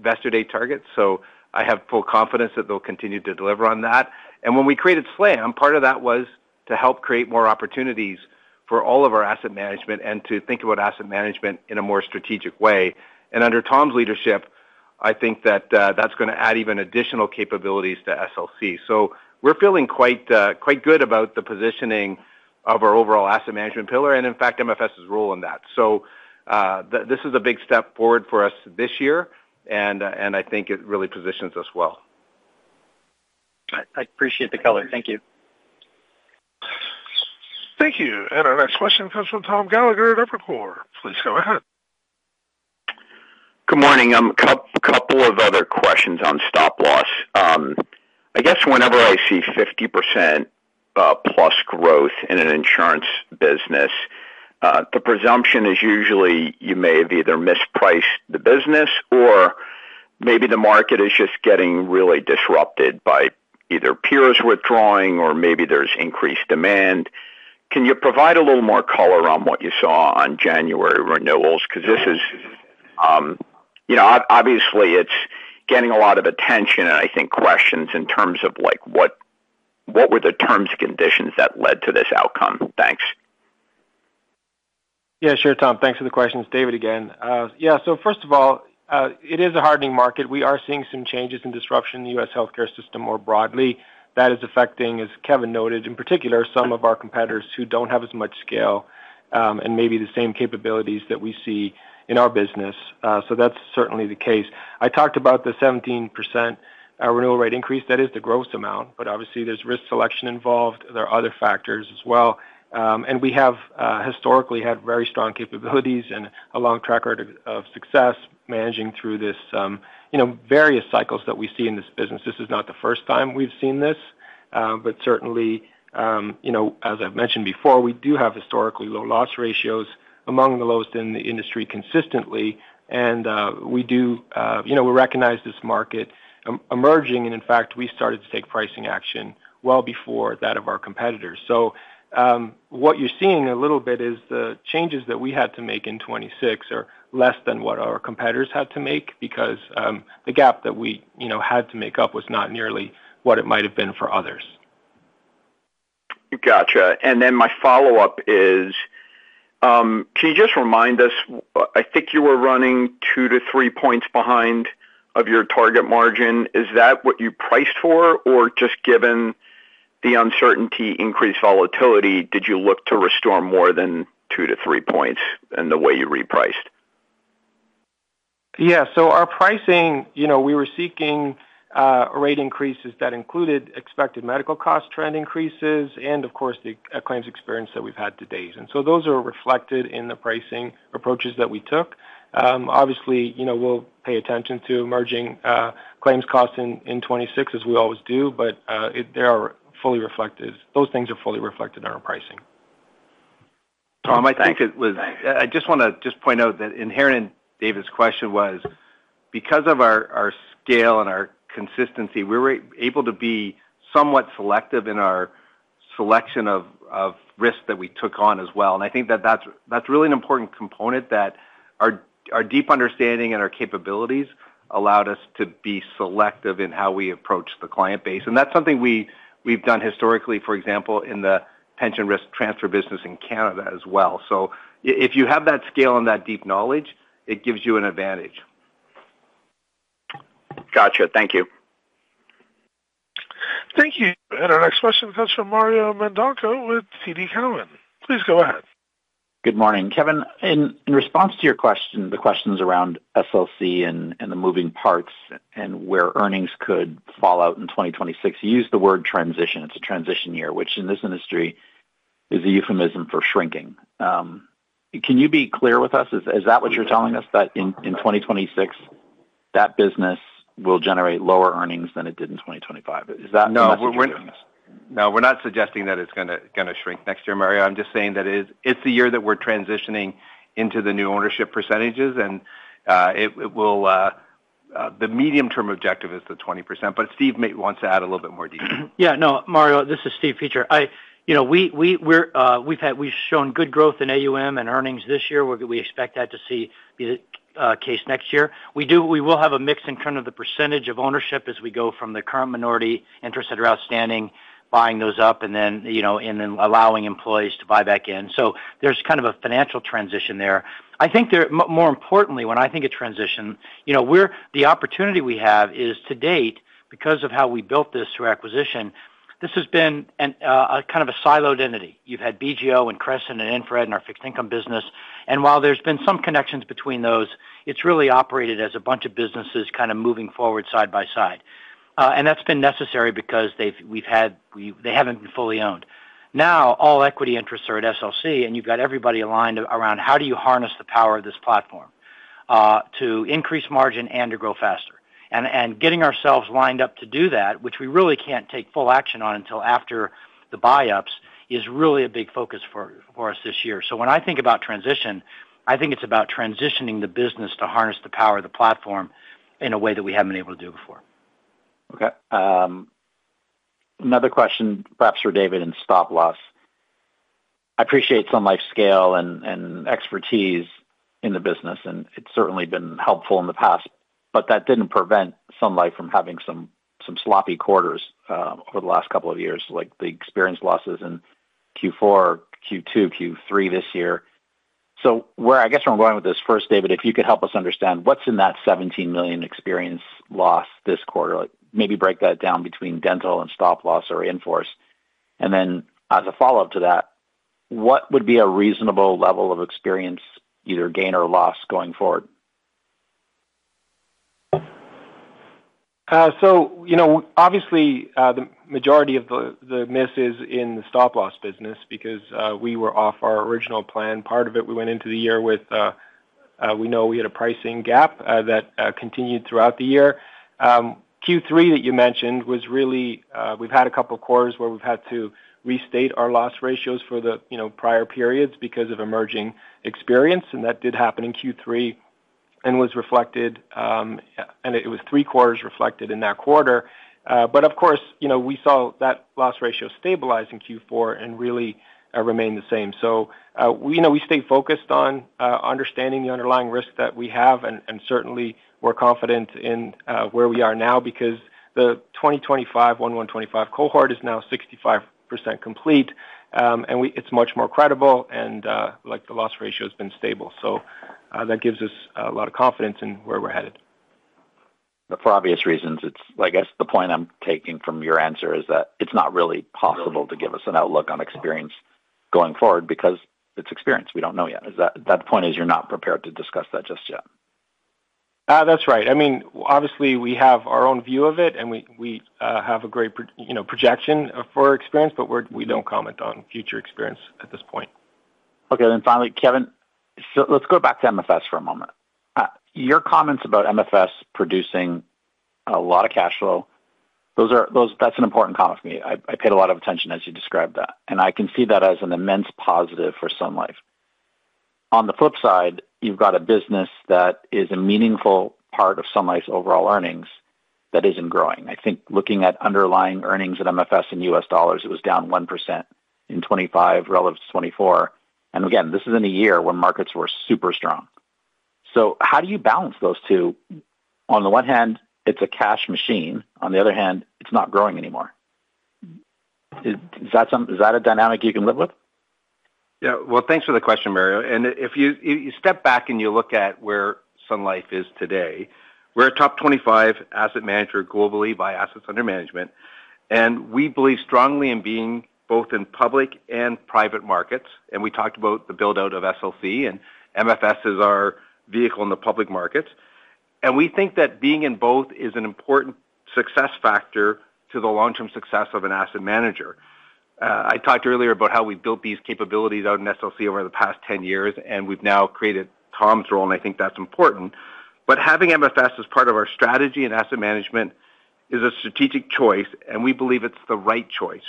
investor day target, so I have full confidence that they'll continue to deliver on that. And when we created SLAM, part of that was to help create more opportunities for all of our asset management and to think about asset management in a more strategic way. And under Tom's leadership, I think that that's gonna add even additional capabilities to SLC. So we're feeling quite good about the positioning of our overall asset management pillar, and in fact, MFS's role in that. So, this is a big step forward for us this year, and I think it really positions us well. I appreciate the color. Thank you. Thank you. Our next question comes from Tom Gallagher at Evercore. Please go ahead. Good morning. A couple of other questions on stop-loss. I guess whenever I see 50% plus growth in an insurance business, the presumption is usually you may have either mispriced the business or maybe the market is just getting really disrupted by either peers withdrawing or maybe there's increased demand. Can you provide a little more color on what you saw on January renewals? Because this is, you know, obviously, it's getting a lot of attention, and I think questions in terms of, like, what were the terms and conditions that led to this outcome? Thanks. Yeah, sure, Tom. Thanks for the question. It's David again. Yeah, so first of all, it is a hardening market. We are seeing some changes in disruption in the U.S. healthcare system more broadly. That is affecting, as Kevin noted, in particular, some of our competitors who don't have as much scale, and maybe the same capabilities that we see in our business. So that's certainly the case. I talked about the 17%, renewal rate increase. That is the gross amount, but obviously, there's risk selection involved. There are other factors as well. And we have, historically had very strong capabilities and a long track record of, of success managing through this, you know, various cycles that we see in this business. This is not the first time we've seen this, but certainly, you know, as I've mentioned before, we do have historically low loss ratios, among the lowest in the industry consistently. We do, you know, we recognize this market emerging, and in fact, we started to take pricing action well before that of our competitors. So, what you're seeing a little bit is the changes that we had to make in 2026 are less than what our competitors had to make because, the gap that we, you know, had to make up was not nearly what it might have been for others. Gotcha. And then my follow-up is, can you just remind us, I think you were running two-three points behind of your target margin. Is that what you priced for, or just given the uncertainty, increased volatility, did you look to restore more than two-three points in the way you repriced? Yeah, so our pricing, you know, we were seeking rate increases that included expected medical cost trend increases and, of course, the claims experience that we've had to date. And so those are reflected in the pricing approaches that we took. Obviously, you know, we'll pay attention to emerging claims costs in 2026, as we always do, but they are fully reflected. Those things are fully reflected in our pricing. Tom, I think it was I just wanna point out that inherent in David's question was, because of our scale and our consistency, we were able to be somewhat selective in our selection of risks that we took on as well. And I think that that's really an important component, that our deep understanding and our capabilities allowed us to be selective in how we approach the client base. And that's something we've done historically, for example, in the pension risk transfer business in Canada as well. So if you have that scale and that deep knowledge, it gives you an advantage. Gotcha. Thank you. Thank you. And our next question comes from Mario Mendonca with TD Cowen. Please go ahead. Good morning. Kevin, in response to your question, the questions around SLC and the moving parts and where earnings could fall out in 2026, you used the word transition. It's a transition year, which in this industry is a euphemism for shrinking. Can you be clear with us? Is that what you're telling us, that in 2026, that business will generate lower earnings than it did in 2025? Is that the message? No, we're not suggesting that it's gonna shrink next year, Mario. I'm just saying that it's the year that we're transitioning into the new ownership percentages, and it will, the medium-term objective is the 20%, but Steve may wants to add a little bit more detail. Yeah, no, Mario, this is Steve Peacher. You know, we've shown good growth in AUM and earnings this year, where we expect that to be the case next year. We will have a mix in kind of the percentage of ownership as we go from the current minority interests that are outstanding, buying those up, and then, you know, and then allowing employees to buy back in. So there's kind of a financial transition there. I think more importantly, when I think of transition, you know, we're the opportunity we have is, to date, because of how we built this through acquisition, this has been a kind of a siloed entity. You've had BGO and Crescent and InfraRed and our fixed income business, and while there's been some connections between those, it's really operated as a bunch of businesses kind of moving forward side by side. And that's been necessary because they haven't been fully owned. Now, all equity interests are at SLC, and you've got everybody aligned around how do you harness the power of this platform to increase margin and to grow faster? And getting ourselves lined up to do that, which we really can't take full action on until after the buyouts, is really a big focus for us this year. So when I think about transition, I think it's about transitioning the business to harness the power of the platform in a way that we haven't been able to do before. Okay, um...... Another question, perhaps for David, in stop-loss. I appreciate Sun Life scale and, and expertise in the business, and it's certainly been helpful in the past, but that didn't prevent Sun Life from having some, some sloppy quarters over the last couple of years, like the experience losses in Q4, Q2, Q3 this year. So where, I guess, where I'm going with this first, David, if you could help us understand what's in that 17 million experience loss this quarter? Like, maybe break that down between dental and stop-loss or in force. And then as a follow-up to that, what would be a reasonable level of experience, either gain or loss, going forward? So you know, obviously, the majority of the miss is in the stop loss business because we were off our original plan. Part of it, we went into the year with, we know we had a pricing gap that continued throughout the year. Q3, that you mentioned, was really, we've had a couple of quarters where we've had to restate our loss ratios for the, you know, prior periods because of emerging experience, and that did happen in Q3 and was reflected, and it was three quarters reflected in that quarter. But of course, you know, we saw that loss ratio stabilize in Q4 and really remain the same. So, we know we stay focused on understanding the underlying risk that we have, and certainly we're confident in where we are now because the 2025, Q1 25 cohort is now 65% complete. And it's much more credible and, like, the loss ratio has been stable. So, that gives us a lot of confidence in where we're headed. But for obvious reasons, it's, I guess the point I'm taking from your answer is that it's not really possible to give us an outlook on experience going forward because it's experience. We don't know yet. Is that the point, you're not prepared to discuss that just yet? That's right. I mean, obviously, we have our own view of it, and we have a great projection for experience, you know, but we don't comment on future experience at this point. Okay, then finally, Kevin, so let's go back to MFS for a moment. Your comments about MFS producing a lot of cash flow, those are, that's an important comment for me. I paid a lot of attention as you described that, and I can see that as an immense positive for Sun Life. On the flip side, you've got a business that is a meaningful part of Sun Life's overall earnings that isn't growing. I think looking at underlying earnings at MFS in U.S. dollars, it was down 1% in 2025 relative to 2024. And again, this is in a year where markets were super strong. So how do you balance those two? On the one hand, it's a cash machine, on the other hand, it's not growing anymore. Is that a dynamic you can live with? Yeah. Well, thanks for the question, Mario. And if you, you step back and you look at where Sun Life is today, we're a top 25 asset manager globally by assets under management, and we believe strongly in being both in public and private markets. And we talked about the build-out of SLC, and MFS is our vehicle in the public markets. And we think that being in both is an important success factor to the long-term success of an asset manager. I talked earlier about how we built these capabilities out in SLC over the past 10 years, and we've now created Tom's role, and I think that's important. But having MFS as part of our strategy and asset management is a strategic choice, and we believe it's the right choice.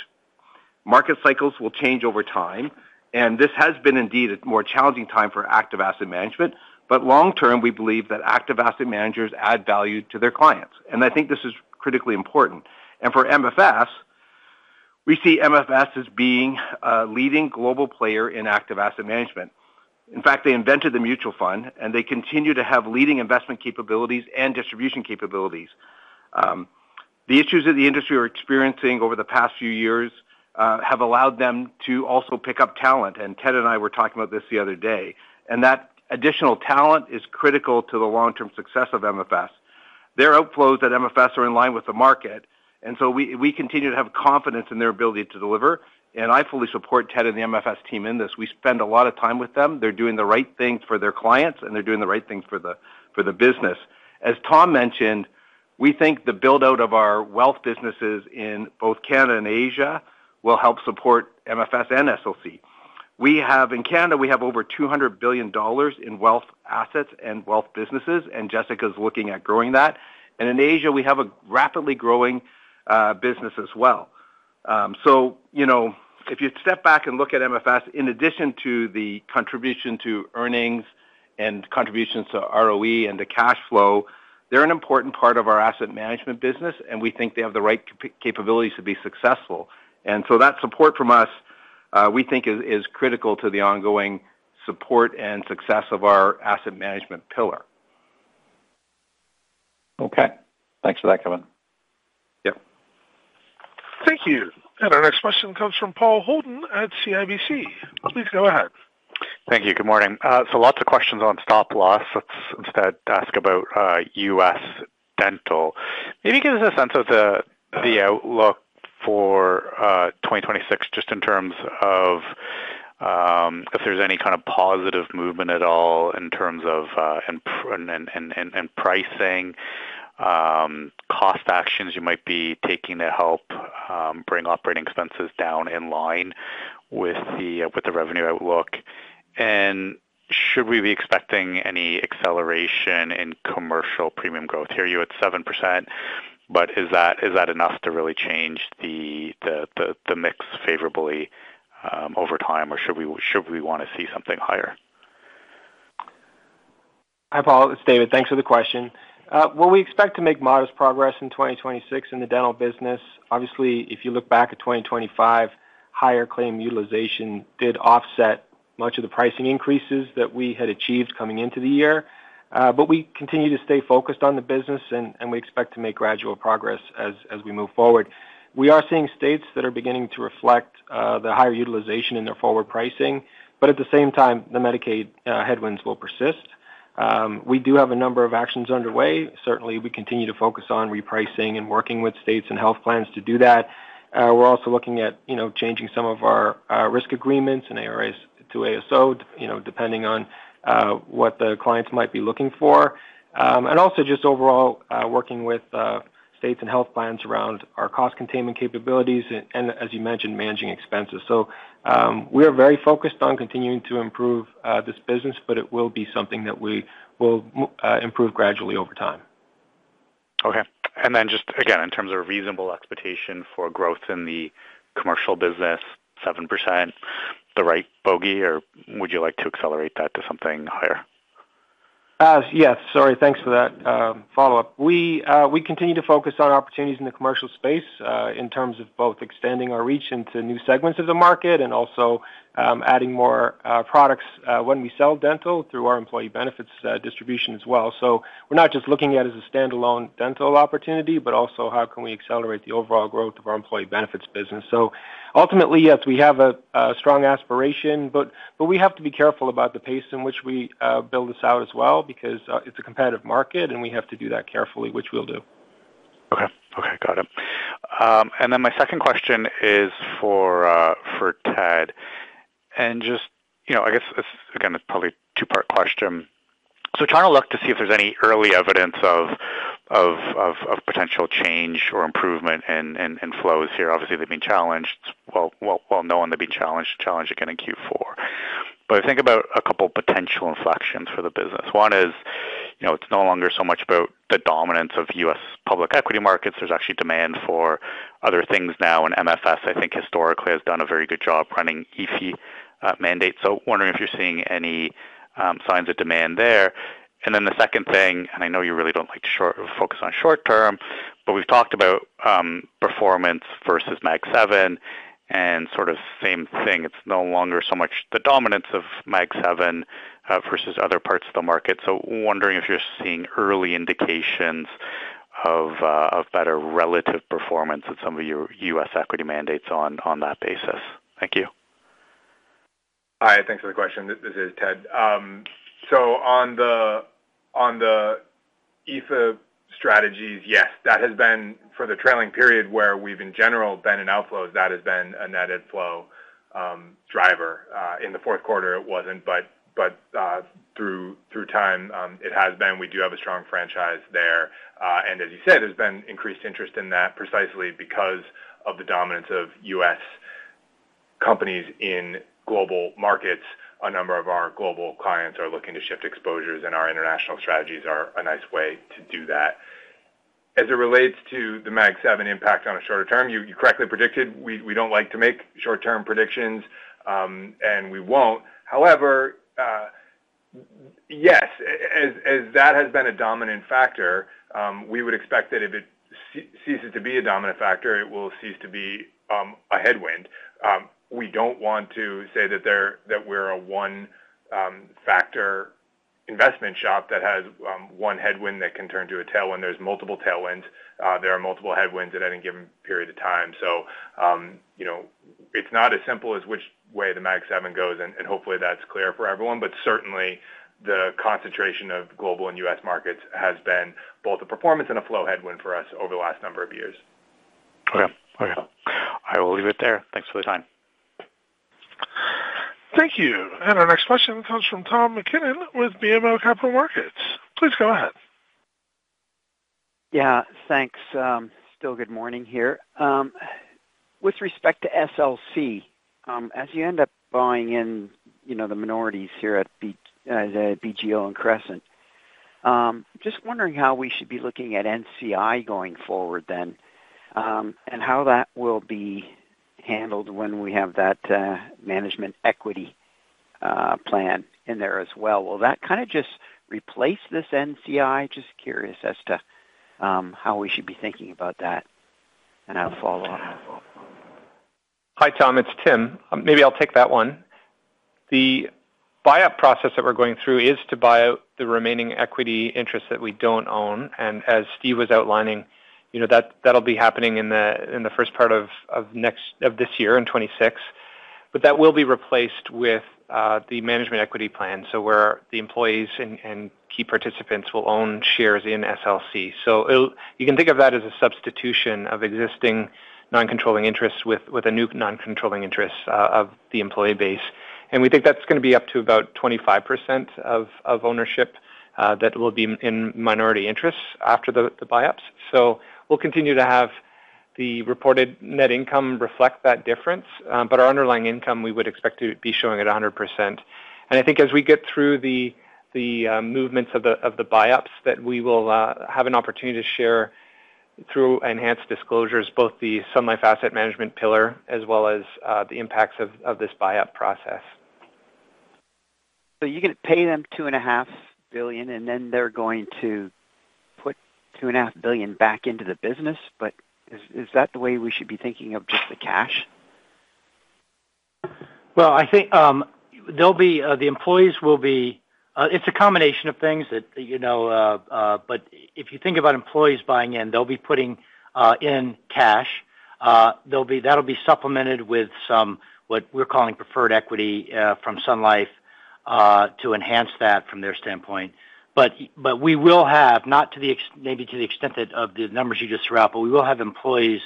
Market cycles will change over time, and this has been indeed a more challenging time for active asset management. But long term, we believe that active asset managers add value to their clients, and I think this is critically important. And for MFS, we see MFS as being a leading global player in active asset management. In fact, they invented the mutual fund, and they continue to have leading investment capabilities and distribution capabilities. The issues that the industry are experiencing over the past few years have allowed them to also pick up talent, and Ted and I were talking about this the other day, and that additional talent is critical to the long-term success of MFS. Their outflows at MFS are in line with the market, and so we continue to have confidence in their ability to deliver, and I fully support Ted and the MFS team in this. We spend a lot of time with them. They're doing the right things for their clients, and they're doing the right things for the business. As Tom mentioned, we think the build-out of our wealth businesses in both Canada and Asia will help support MFS and SLC. We have, in Canada, we have over 200 billion dollars in wealth assets and wealth businesses, and Jessica is looking at growing that. In Asia, we have a rapidly growing business as well. So you know, if you step back and look at MFS, in addition to the contribution to earnings and contributions to ROE and to cash flow, they're an important part of our asset management business, and we think they have the right capabilities to be successful. So that support from us, we think is critical to the ongoing support and success of our asset management pillar. Okay. Thanks for that, Kevin. Yep. Thank you. Our next question comes from Paul Holden at CIBC. Please go ahead. Thank you. Good morning. So lots of questions on stop loss. Let's instead ask about U.S. Dental. Maybe give us a sense of the outlook for 2026, just in terms of if there's any kind of positive movement at all in terms of improvement and pricing, cost actions you might be taking to help bring operating expenses down in line with the revenue outlook. And should we be expecting any acceleration in commercial premium growth? I hear you at 7%, but is that enough to really change the mix favorably over time, or should we want to see something higher?... Hi, Paul, it's David. Thanks for the question. Well, we expect to make modest progress in 2026 in the dental business. Obviously, if you look back at 2025, higher claim utilization did offset much of the pricing increases that we had achieved coming into the year. But we continue to stay focused on the business, and, and we expect to make gradual progress as, as we move forward. We are seeing states that are beginning to reflect the higher utilization in their forward pricing, but at the same time, the Medicaid headwinds will persist. We do have a number of actions underway. Certainly, we continue to focus on repricing and working with states and health plans to do that. We're also looking at, you know, changing some of our risk agreements and ARAs to ASO, you know, depending on what the clients might be looking for. And also just overall, working with states and health plans around our cost containment capabilities, and as you mentioned, managing expenses. So, we are very focused on continuing to improve this business, but it will be something that we will improve gradually over time. Okay. And then just, again, in terms of reasonable expectation for growth in the commercial business, 7%, the right bogey, or would you like to accelerate that to something higher? Yes, sorry, thanks for that follow-up. We, we continue to focus on opportunities in the commercial space, in terms of both extending our reach into new segments of the market and also, adding more products, when we sell dental through our employee benefits distribution as well. So we're not just looking at it as a standalone dental opportunity, but also how can we accelerate the overall growth of our employee benefits business. So ultimately, yes, we have a, a strong aspiration, but, but we have to be careful about the pace in which we build this out as well, because it's a competitive market, and we have to do that carefully, which we'll do. Okay. Okay, got it. And then my second question is for Ted. And just, you know, I guess, again, it's probably a two-part question. So trying to look to see if there's any early evidence of potential change or improvement in flows here. Obviously, they've been challenged. Well, they've been challenged again in Q4. But I think about a couple potential inflections for the business. One is, you know, it's no longer so much about the dominance of U.S. public equity markets. There's actually demand for other things now, and MFS, I think, historically, has done a very good job running ETF mandate. So wondering if you're seeing any signs of demand there. And then the second thing, and I know you really don't like short-term focus on short term, but we've talked about performance versus Mag Seven, and sort of same thing. It's no longer so much the dominance of Mag Seven versus other parts of the market. So wondering if you're seeing early indications of better relative performance with some of your U.S. equity mandates on that basis. Thank you. Hi, thanks for the question. This is Ted. So on the, on the EAFE strategies, yes, that has been for the trailing period where we've, in general, been in outflows. That has been a net flow driver. In the fourth quarter, it wasn't, but, but, through, through time, it has been. We do have a strong franchise there. And as you said, there's been increased interest in that, precisely because of the dominance of U.S. companies in global markets. A number of our global clients are looking to shift exposures, and our international strategies are a nice way to do that. As it relates to the MAG seven impact on a shorter term, you, you correctly predicted, we, we don't like to make short-term predictions, and we won't. However, yes, as that has been a dominant factor, we would expect that if it ceases to be a dominant factor, it will cease to be a headwind. We don't want to say that there that we're a one factor investment shop that has one headwind that can turn to a tailwind. There's multiple tailwinds, there are multiple headwinds at any given period of time. So, you know, it's not as simple as which way the MAG seven goes, and hopefully, that's clear for everyone. But certainly, the concentration of global and U.S. markets has been both a performance and a flow headwind for us over the last number of years. Okay. Okay, I will leave it there. Thanks for the time. Thank you. Our next question comes from Tom MacKinnon with BMO Capital Markets. Please go ahead. Yeah, thanks. Still good morning here. With respect to SLC, as you end up buying in, you know, the minorities here at BGO and Crescent, just wondering how we should be looking at NCI going forward then, and how that will be handled when we have that, management equity, plan in there as well. Will that kind of just replace this NCI? Just curious as to, how we should be thinking about that, and I'll follow up. Hi, Tom, it's Tim. Maybe I'll take that one. The buyout process that we're going through is to buy out the remaining equity interests that we don't own, and as Steve was outlining, you know, that, that'll be happening in the first part of next—of this year, in 2026. But that will be replaced with the management equity plan, so where the employees and key participants will own shares in SLC. So it'll—you can think of that as a substitution of existing non-controlling interests with a new non-controlling interest of the employee base. And we think that's going to be up to about 25% of ownership that will be in minority interests after the buyups. So we'll continue to have the reported net income reflect that difference, but our underlying income, we would expect to be showing at 100%. I think as we get through the movements of the buyups, that we will have an opportunity to share... through enhanced disclosures, both the Sun Life Asset Management pillar as well as, the impacts of this buy-up process. So you're going to pay them 2.5 billion, and then they're going to put 2.5 billion back into the business? But is that the way we should be thinking of just the cash? Well, I think, there'll be the employees will be, it's a combination of things that, you know, but if you think about employees buying in, they'll be putting in cash. There'll be-- that'll be supplemented with some, what we're calling preferred equity, from Sun Life, to enhance that from their standpoint. But we will have, not to the extent--maybe to the extent of the numbers you just threw out, but we will have employees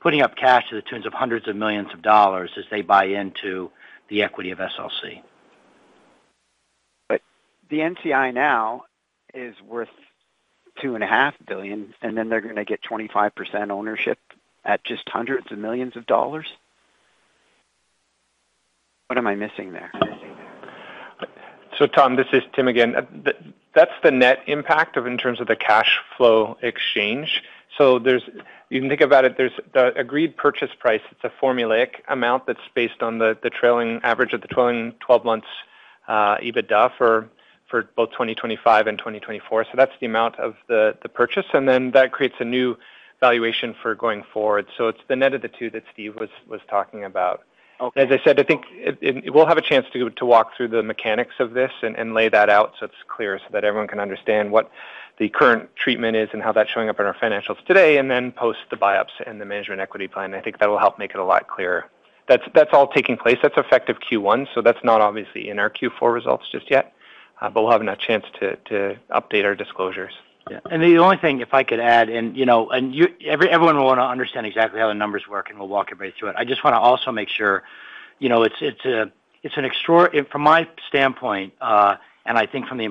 putting up cash to the tune of hundreds of millions CAD as they buy into the equity of SLC. But the NCI now is worth $2.5 billion, and then they're going to get 25% ownership at just $hundreds of millions? What am I missing there? So, Tom, this is Tim again. That's the net impact of in terms of the cash flow exchange. So there's-- you can think about it, there's the agreed purchase price. It's a formulaic amount that's based on the, the trailing average of the trailing twelve months EBITDA for, for both 2025 and 2024. So that's the amount of the, the purchase, and then that creates a new valuation for going forward. So it's the net of the two that Steve was, was talking about. Okay. As I said, I think we'll have a chance to walk through the mechanics of this and lay that out so it's clear, so that everyone can understand what the current treatment is and how that's showing up in our financials today, and then post the buyups and the management equity plan. I think that will help make it a lot clearer. That's all taking place. That's effective Q1, so that's not obviously in our Q4 results just yet, but we'll have a chance to update our disclosures. Yeah. The only thing, if I could add, you know, everyone will want to understand exactly how the numbers work, and we'll walk everybody through it. I just want to also make sure, you know, it's an extraordinary from my standpoint, and I think from the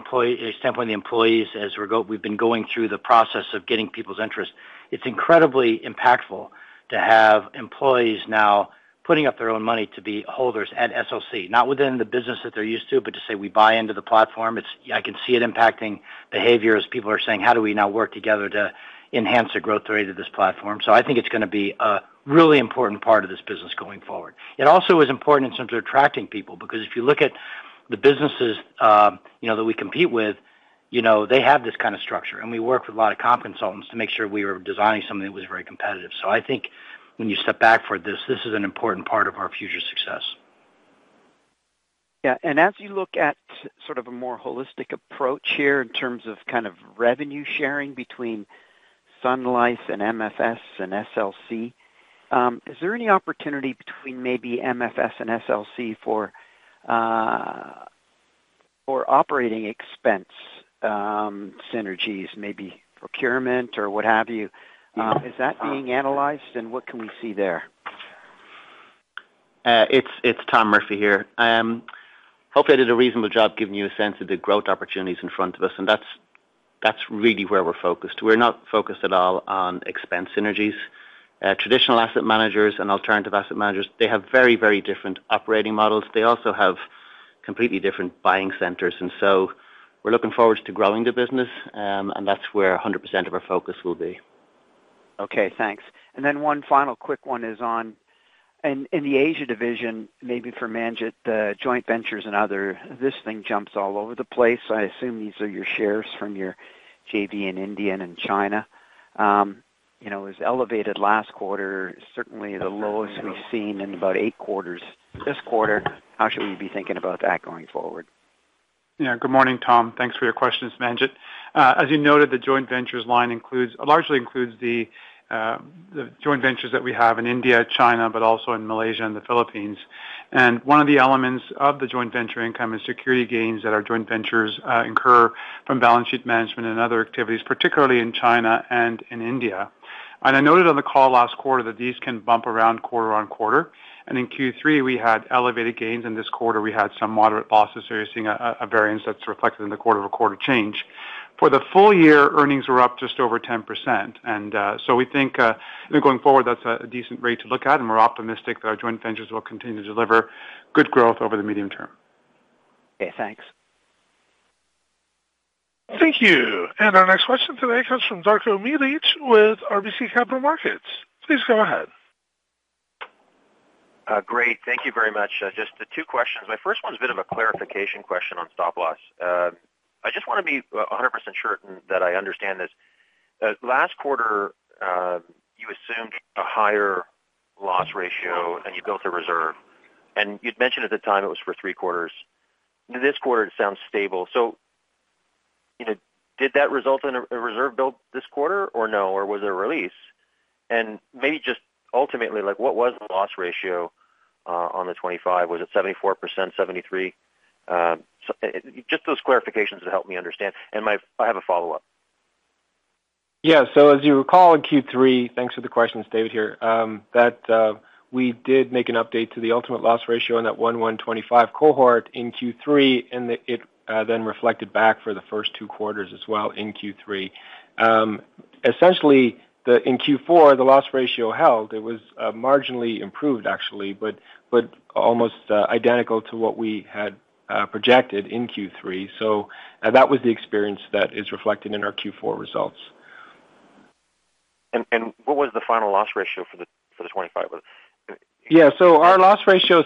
standpoint of the employees, as we've been going through the process of getting people's interest, it's incredibly impactful to have employees now putting up their own money to be holders at SLC, not within the business that they're used to, but to say we buy into the platform. It's. I can see it impacting behavior as people are saying: How do we now work together to enhance the growth rate of this platform? So I think it's going to be a really important part of this business going forward. It also is important in terms of attracting people, because if you look at the businesses, you know, that we compete with, you know, they have this kind of structure, and we work with a lot of comp consultants to make sure we were designing something that was very competitive. So I think when you step back for this, this is an important part of our future success. Yeah, and as you look at sort of a more holistic approach here in terms of kind of revenue sharing between Sun Life and MFS and SLC, is there any opportunity between maybe MFS and SLC for operating expense synergies, maybe procurement or what have you? Is that being analyzed, and what can we see there? It's Tom Murphy here. Hopefully, I did a reasonable job giving you a sense of the growth opportunities in front of us, and that's really where we're focused. We're not focused at all on expense synergies. Traditional asset managers and alternative asset managers, they have very, very different operating models. They also have completely different buying centers, and so we're looking forward to growing the business, and that's where 100% of our focus will be. Okay, thanks. And then one final quick one is on... In the Asia division, maybe for Manjit, the joint ventures and other, this thing jumps all over the place. I assume these are your shares from your JV in India and in China. You know, it was elevated last quarter, certainly the lowest we've seen in about eight quarters. This quarter, how should we be thinking about that going forward? Yeah. Good morning, Tom. Thanks for your questions. Manjit. As you noted, the joint ventures line includes, largely includes the joint ventures that we have in India, China, but also in Malaysia and the Philippines. And one of the elements of the joint venture income is securities gains that our joint ventures incur from balance sheet management and other activities, particularly in China and in India. And I noted on the call last quarter that these can bump around quarter-over-quarter, and in Q3, we had elevated gains, in this quarter, we had some moderate losses. So you're seeing a variance that's reflected in the quarter-over-quarter change. For the full year, earnings were up just over 10%. So we think, I think going forward, that's a decent rate to look at, and we're optimistic that our joint ventures will continue to deliver good growth over the medium term. Okay, thanks. Thank you. And our next question today comes from Darko Mihelic with RBC Capital Markets. Please go ahead. Great. Thank you very much. Just the two questions. My first one is a bit of a clarification question on stop loss. I just want to be 100% sure that I understand this. Last quarter, you assumed a higher loss ratio, and you built a reserve, and you'd mentioned at the time it was for three quarters. This quarter, it sounds stable. So, you know, did that result in a reserve build this quarter or no, or was it a release? And maybe just ultimately, like, what was the loss ratio on the 25? Was it 74%, 73? So just those clarifications to help me understand. And my-- I have a follow-up. Yeah. So as you recall, in Q3, thanks for the question, it's David here, that we did make an update to the ultimate loss ratio on that 1/1 25 cohort in Q3, and it then reflected back for the first two quarters as well in Q3. Essentially, in Q4, the loss ratio held. It was marginally improved, actually, but almost identical to what we had projected in Q3. So, that was the experience that is reflected in our Q4 results.... and what was the final loss ratio for the 25? Yeah, so our loss ratios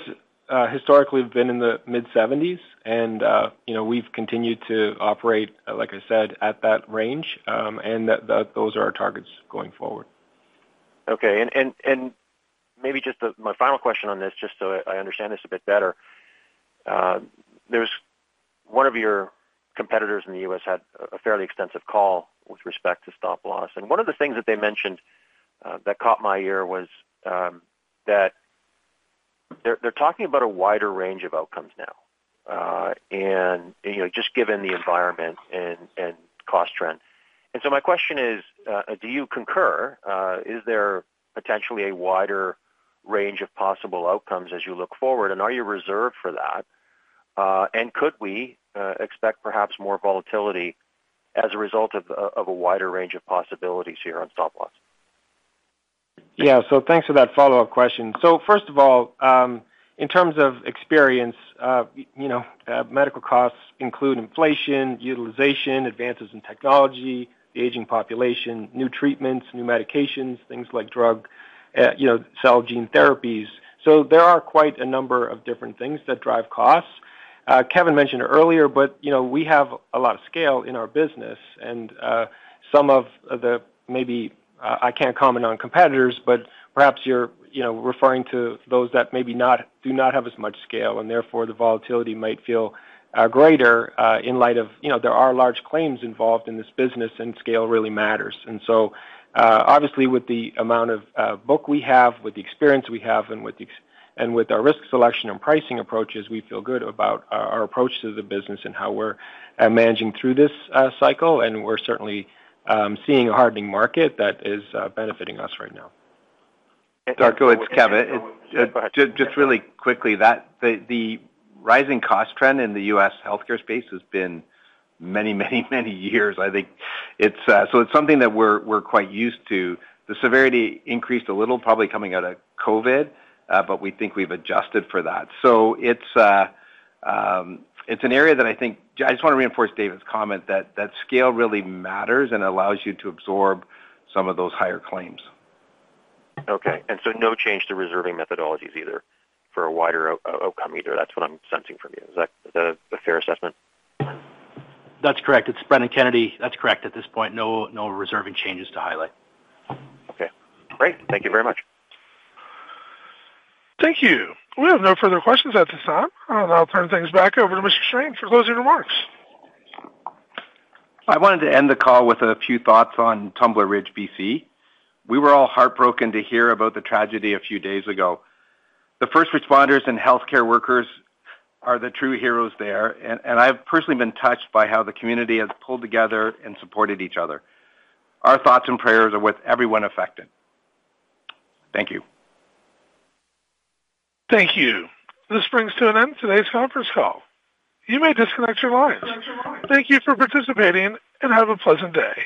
historically have been in the mid-seventies, and you know, we've continued to operate, like I said, at that range, and that those are our targets going forward. Okay. And maybe just my final question on this, just so I understand this a bit better. There's one of your competitors in the U.S. had a fairly extensive call with respect to stop loss, and one of the things that they mentioned that caught my ear was that they're talking about a wider range of outcomes now, and you know, just given the environment and cost trends. And so my question is, do you concur? Is there potentially a wider range of possible outcomes as you look forward, and are you reserved for that? And could we expect perhaps more volatility as a result of a wider range of possibilities here on stop loss? Yeah. So thanks for that follow-up question. So first of all, in terms of experience, you know, medical costs include inflation, utilization, advances in technology, the aging population, new treatments, new medications, things like drug, you know, cell gene therapies. So there are quite a number of different things that drive costs. Kevin mentioned earlier, but, you know, we have a lot of scale in our business, and, some of the maybe, I can't comment on competitors, but perhaps you're, you know, referring to those that maybe not do not have as much scale, and therefore, the volatility might feel greater, in light of, you know, there are large claims involved in this business, and scale really matters. So, obviously, with the amount of book we have, with the experience we have, and with our risk selection and pricing approaches, we feel good about our approach to the business and how we're managing through this cycle, and we're certainly seeing a hardening market that is benefiting us right now. Darko, it's Kevin. Go ahead. Just really quickly, the rising cost trend in the U.S. healthcare space has been many, many, many years. I think it's so it's something that we're quite used to. The severity increased a little, probably coming out of COVID, but we think we've adjusted for that. So it's an area that I think... I just wanna reinforce David's comment that scale really matters and allows you to absorb some of those higher claims. Okay. And so no change to reserving methodologies either for a wider outcome either. That's what I'm sensing from you. Is that a fair assessment? That's correct. It's Brennan Kennedy. That's correct. At this point, no, no reserving changes to highlight. Okay, great. Thank you very much. Thank you. We have no further questions at this time. I'll now turn things back over to Mr. Strain for closing remarks. I wanted to end the call with a few thoughts on Tumbler Ridge, BC. We were all heartbroken to hear about the tragedy a few days ago. The first responders and healthcare workers are the true heroes there, and I've personally been touched by how the community has pulled together and supported each other. Our thoughts and prayers are with everyone affected. Thank you. Thank you. This brings to an end today's conference call. You may disconnect your lines. Thank you for participating, and have a pleasant day.